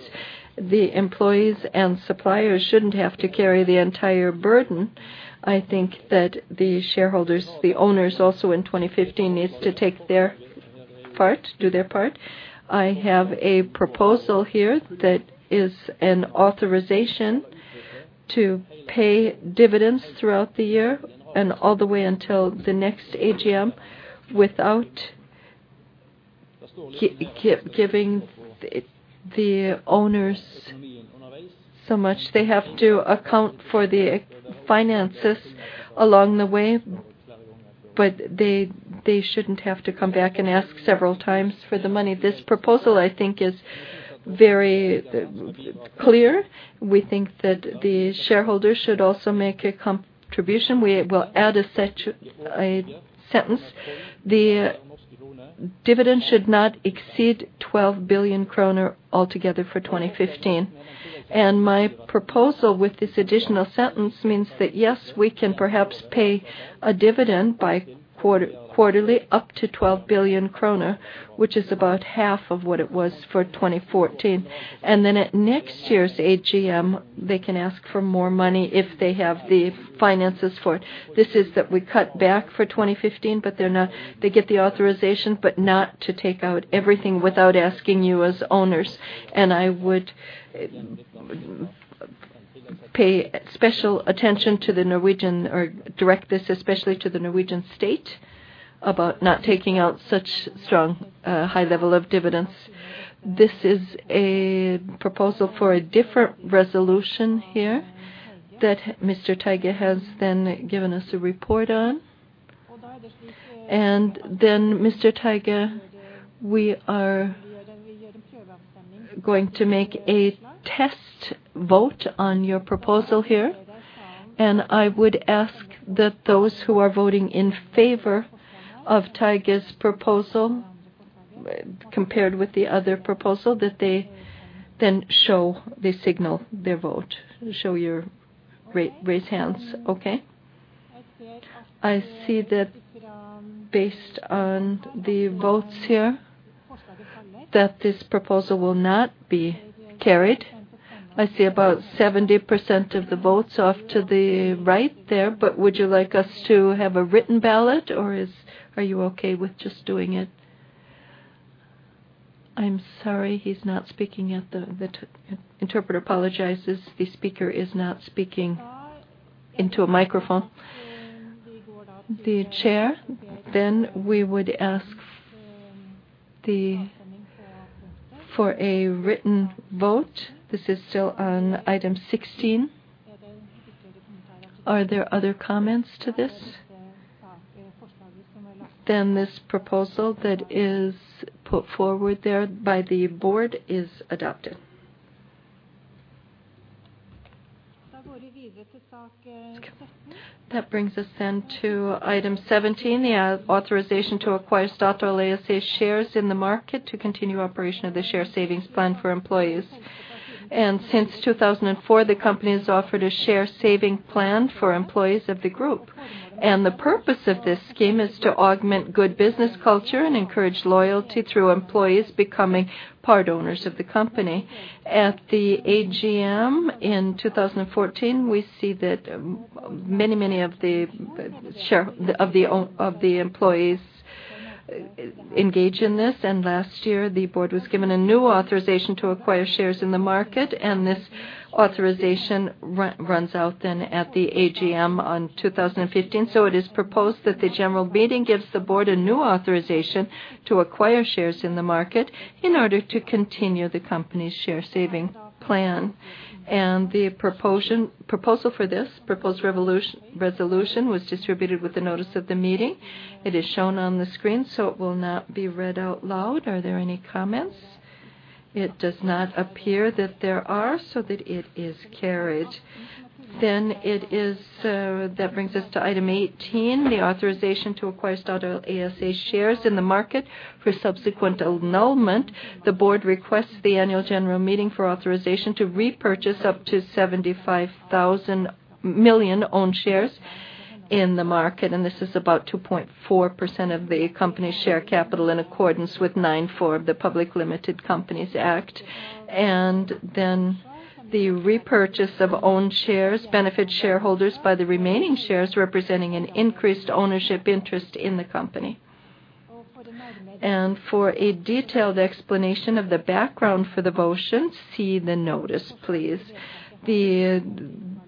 Speaker 1: The employees and suppliers shouldn't have to carry the entire burden. I think that the shareholders, the owners also in 2015 need to take their part, do their part. I have a proposal here that is an authorization to pay dividends throughout the year and all the way until the next AGM without giving the owners so much. They have to account for the finances along the way, but they shouldn't have to come back and ask several times for the money. This proposal, I think, is very clear. We think that the shareholders should also make a contribution. We will add a sentence. The dividend should not exceed 12 billion kroner altogether for 2015. My proposal with this additional sentence means that, yes, we can perhaps pay a dividend by quarterly up to 12 billion kroner, which is about half of what it was for 2014. At next year's AGM, they can ask for more money if they have the finances for it. This is that we cut back for 2015, but they get the authorization, but not to take out everything without asking you as owners. I would pay special attention to the Norwegian or direct this especially to the Norwegian state about not taking out such strong, high level of dividends. This is a proposal for a different resolution here that Mr. Taiga has then given us a report on. Mr. Taiga, we are going to make a test vote on your proposal here. I would ask that those who are voting in favor of Taiga's proposal compared with the other proposal, that they then show, they signal their vote. Show your raised hands. Okay. I see that based on the votes here, that this proposal will not be carried. I see about 70% of the votes off to the right there, but would you like us to have a written ballot or are you okay with just doing it? I'm sorry, he's not speaking at the. The interpreter apologizes, the speaker is not speaking into a microphone. The chair, then we would ask for a written vote. This is still on item 16. Are there other comments to this? Then this proposal that is put forward there by the board is adopted. That brings us then to item 17, the authorization to acquire Statoil ASA shares in the market to continue operation of the share savings plan for employees. Since 2004, the company has offered a share savings plan for employees of the group. The purpose of this scheme is to augment good business culture and encourage loyalty through employees becoming part owners of the company. At the AGM in 2014, we see that many of the shares owned by the employees engage in this. Last year, the board was given a new authorization to acquire shares in the market, and this authorization runs out then at the AGM on 2015. It is proposed that the general meeting gives the board a new authorization to acquire shares in the market in order to continue the company's share saving plan. The proposal for this resolution was distributed with the notice of the meeting. It is shown on the screen, so it will not be read out loud. Are there any comments? It does not appear that there are, so that it is carried. That brings us to item 18, the authorization to acquire Statoil ASA shares in the market for subsequent annulment. The board requests the annual general meeting for authorization to repurchase up to 75 million own shares in the market, and this is about 2.4% of the company's share capital in accordance with 9-4 of the Public Limited Liability Companies Act. The repurchase of own shares benefit shareholders by the remaining shares representing an increased ownership interest in the company. For a detailed explanation of the background for the motion, see the notice, please.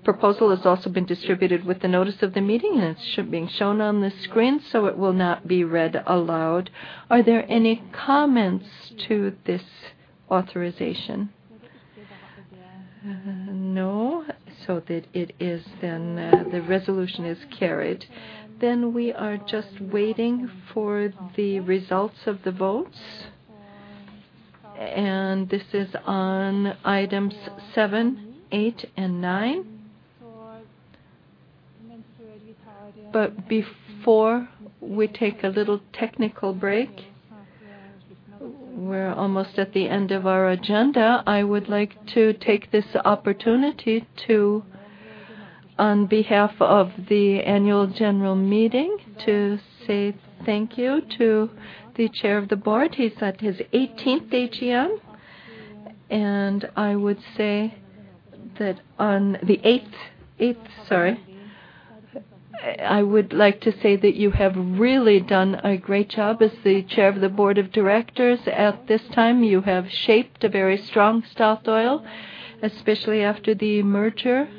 Speaker 1: The proposal has also been distributed with the notice of the meeting, and it's being shown on the screen, so it will not be read aloud. Are there any comments to this authorization? No. That it is then, the resolution is carried. We are just waiting for the results of the votes. This is on items 7, 8, and 9. Before we take a little technical break, we're almost at the end of our agenda. I would like to take this opportunity to, on behalf of the annual general meeting, to say thank you to the Chair of the Board. He's at his 18th AGM. I would say that on the eighth, sorry. I would like to say that you have really done a great job as the Chair of the Board of Directors. At this time, you have shaped a very strong Statoil, especially after the merger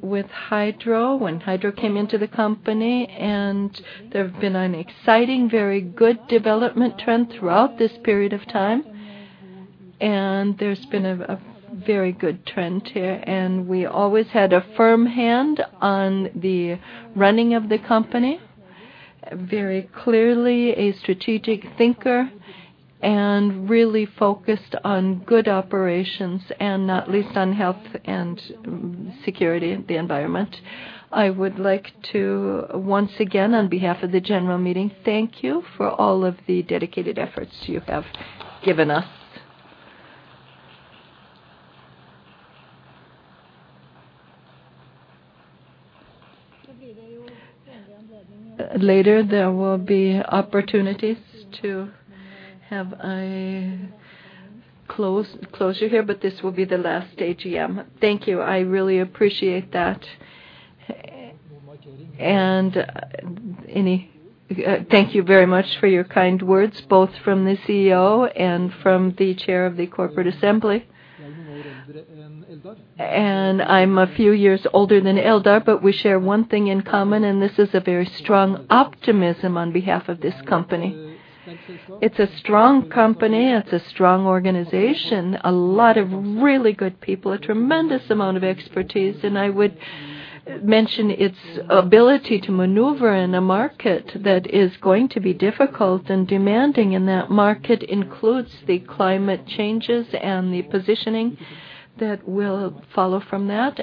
Speaker 1: with Hydro, when Hydro came into the company. There have been an exciting, very good development trend throughout this period of time. There's been a very good trend here. We always had a firm hand on the running of the company, very clearly a strategic thinker, and really focused on good operations and not least on health, safety, and the environment. I would like to once again, on behalf of the general meeting, thank you for all of the dedicated efforts you have given us. Later, there will be opportunities to have a closure here, but this will be the last AGM. Thank you. I really appreciate that. Thank you very much for your kind words, both from the CEO and from the Chair of the Corporate Assembly. I'm a few years older than Eldar, but we share one thing in common, and this is a very strong optimism on behalf of this company. It's a strong company. It's a strong organization. A lot of really good people, a tremendous amount of expertise. I would mention its ability to maneuver in a market that is going to be difficult and demanding, and that market includes the climate changes and the positioning that will follow from that.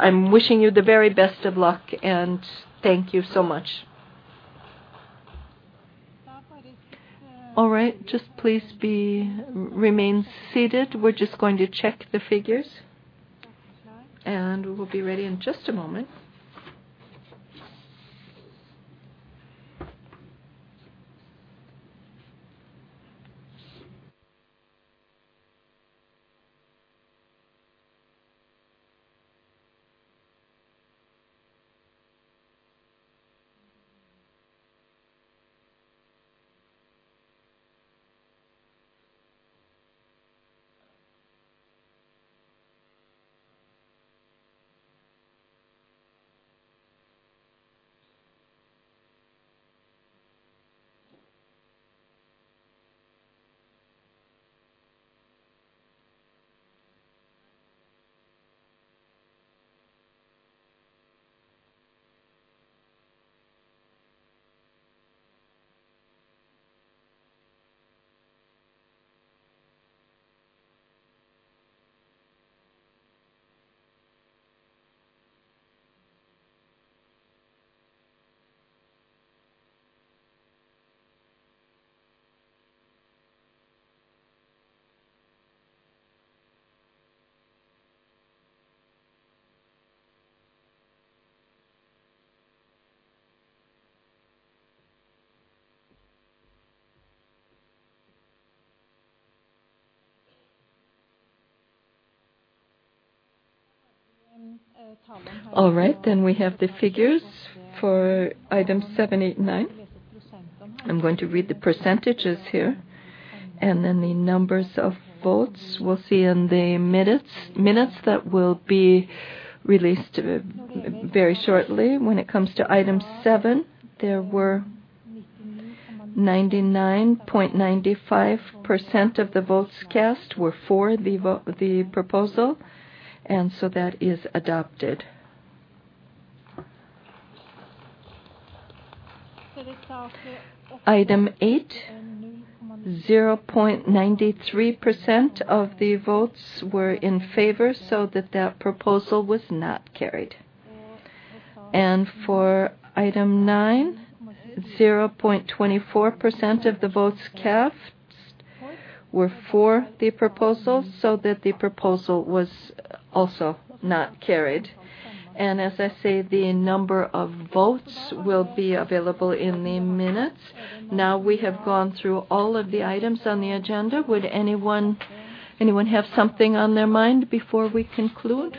Speaker 1: I'm wishing you the very best of luck, and thank you so much. All right. Just please remain seated. We're just going to check the figures, and we will be ready in just a moment. All right. We have the figures for item 7, 8, 9. I'm going to read the percentages here, and then the numbers of votes we'll see in the minutes that will be released very shortly. When it comes to item 7, there were 99.95% of the votes cast were for the proposal, and that is adopted. Item eight, 0.93% of the votes were in favor so that proposal was not carried. For item nine, 0.24% of the votes cast were for the proposal so that the proposal was also not carried. As I say, the number of votes will be available in the minutes. Now we have gone through all of the items on the agenda. Would anyone have something on their mind before we conclude?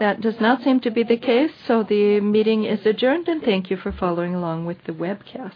Speaker 1: That does not seem to be the case. The meeting is adjourned, and thank you for following along with the webcast.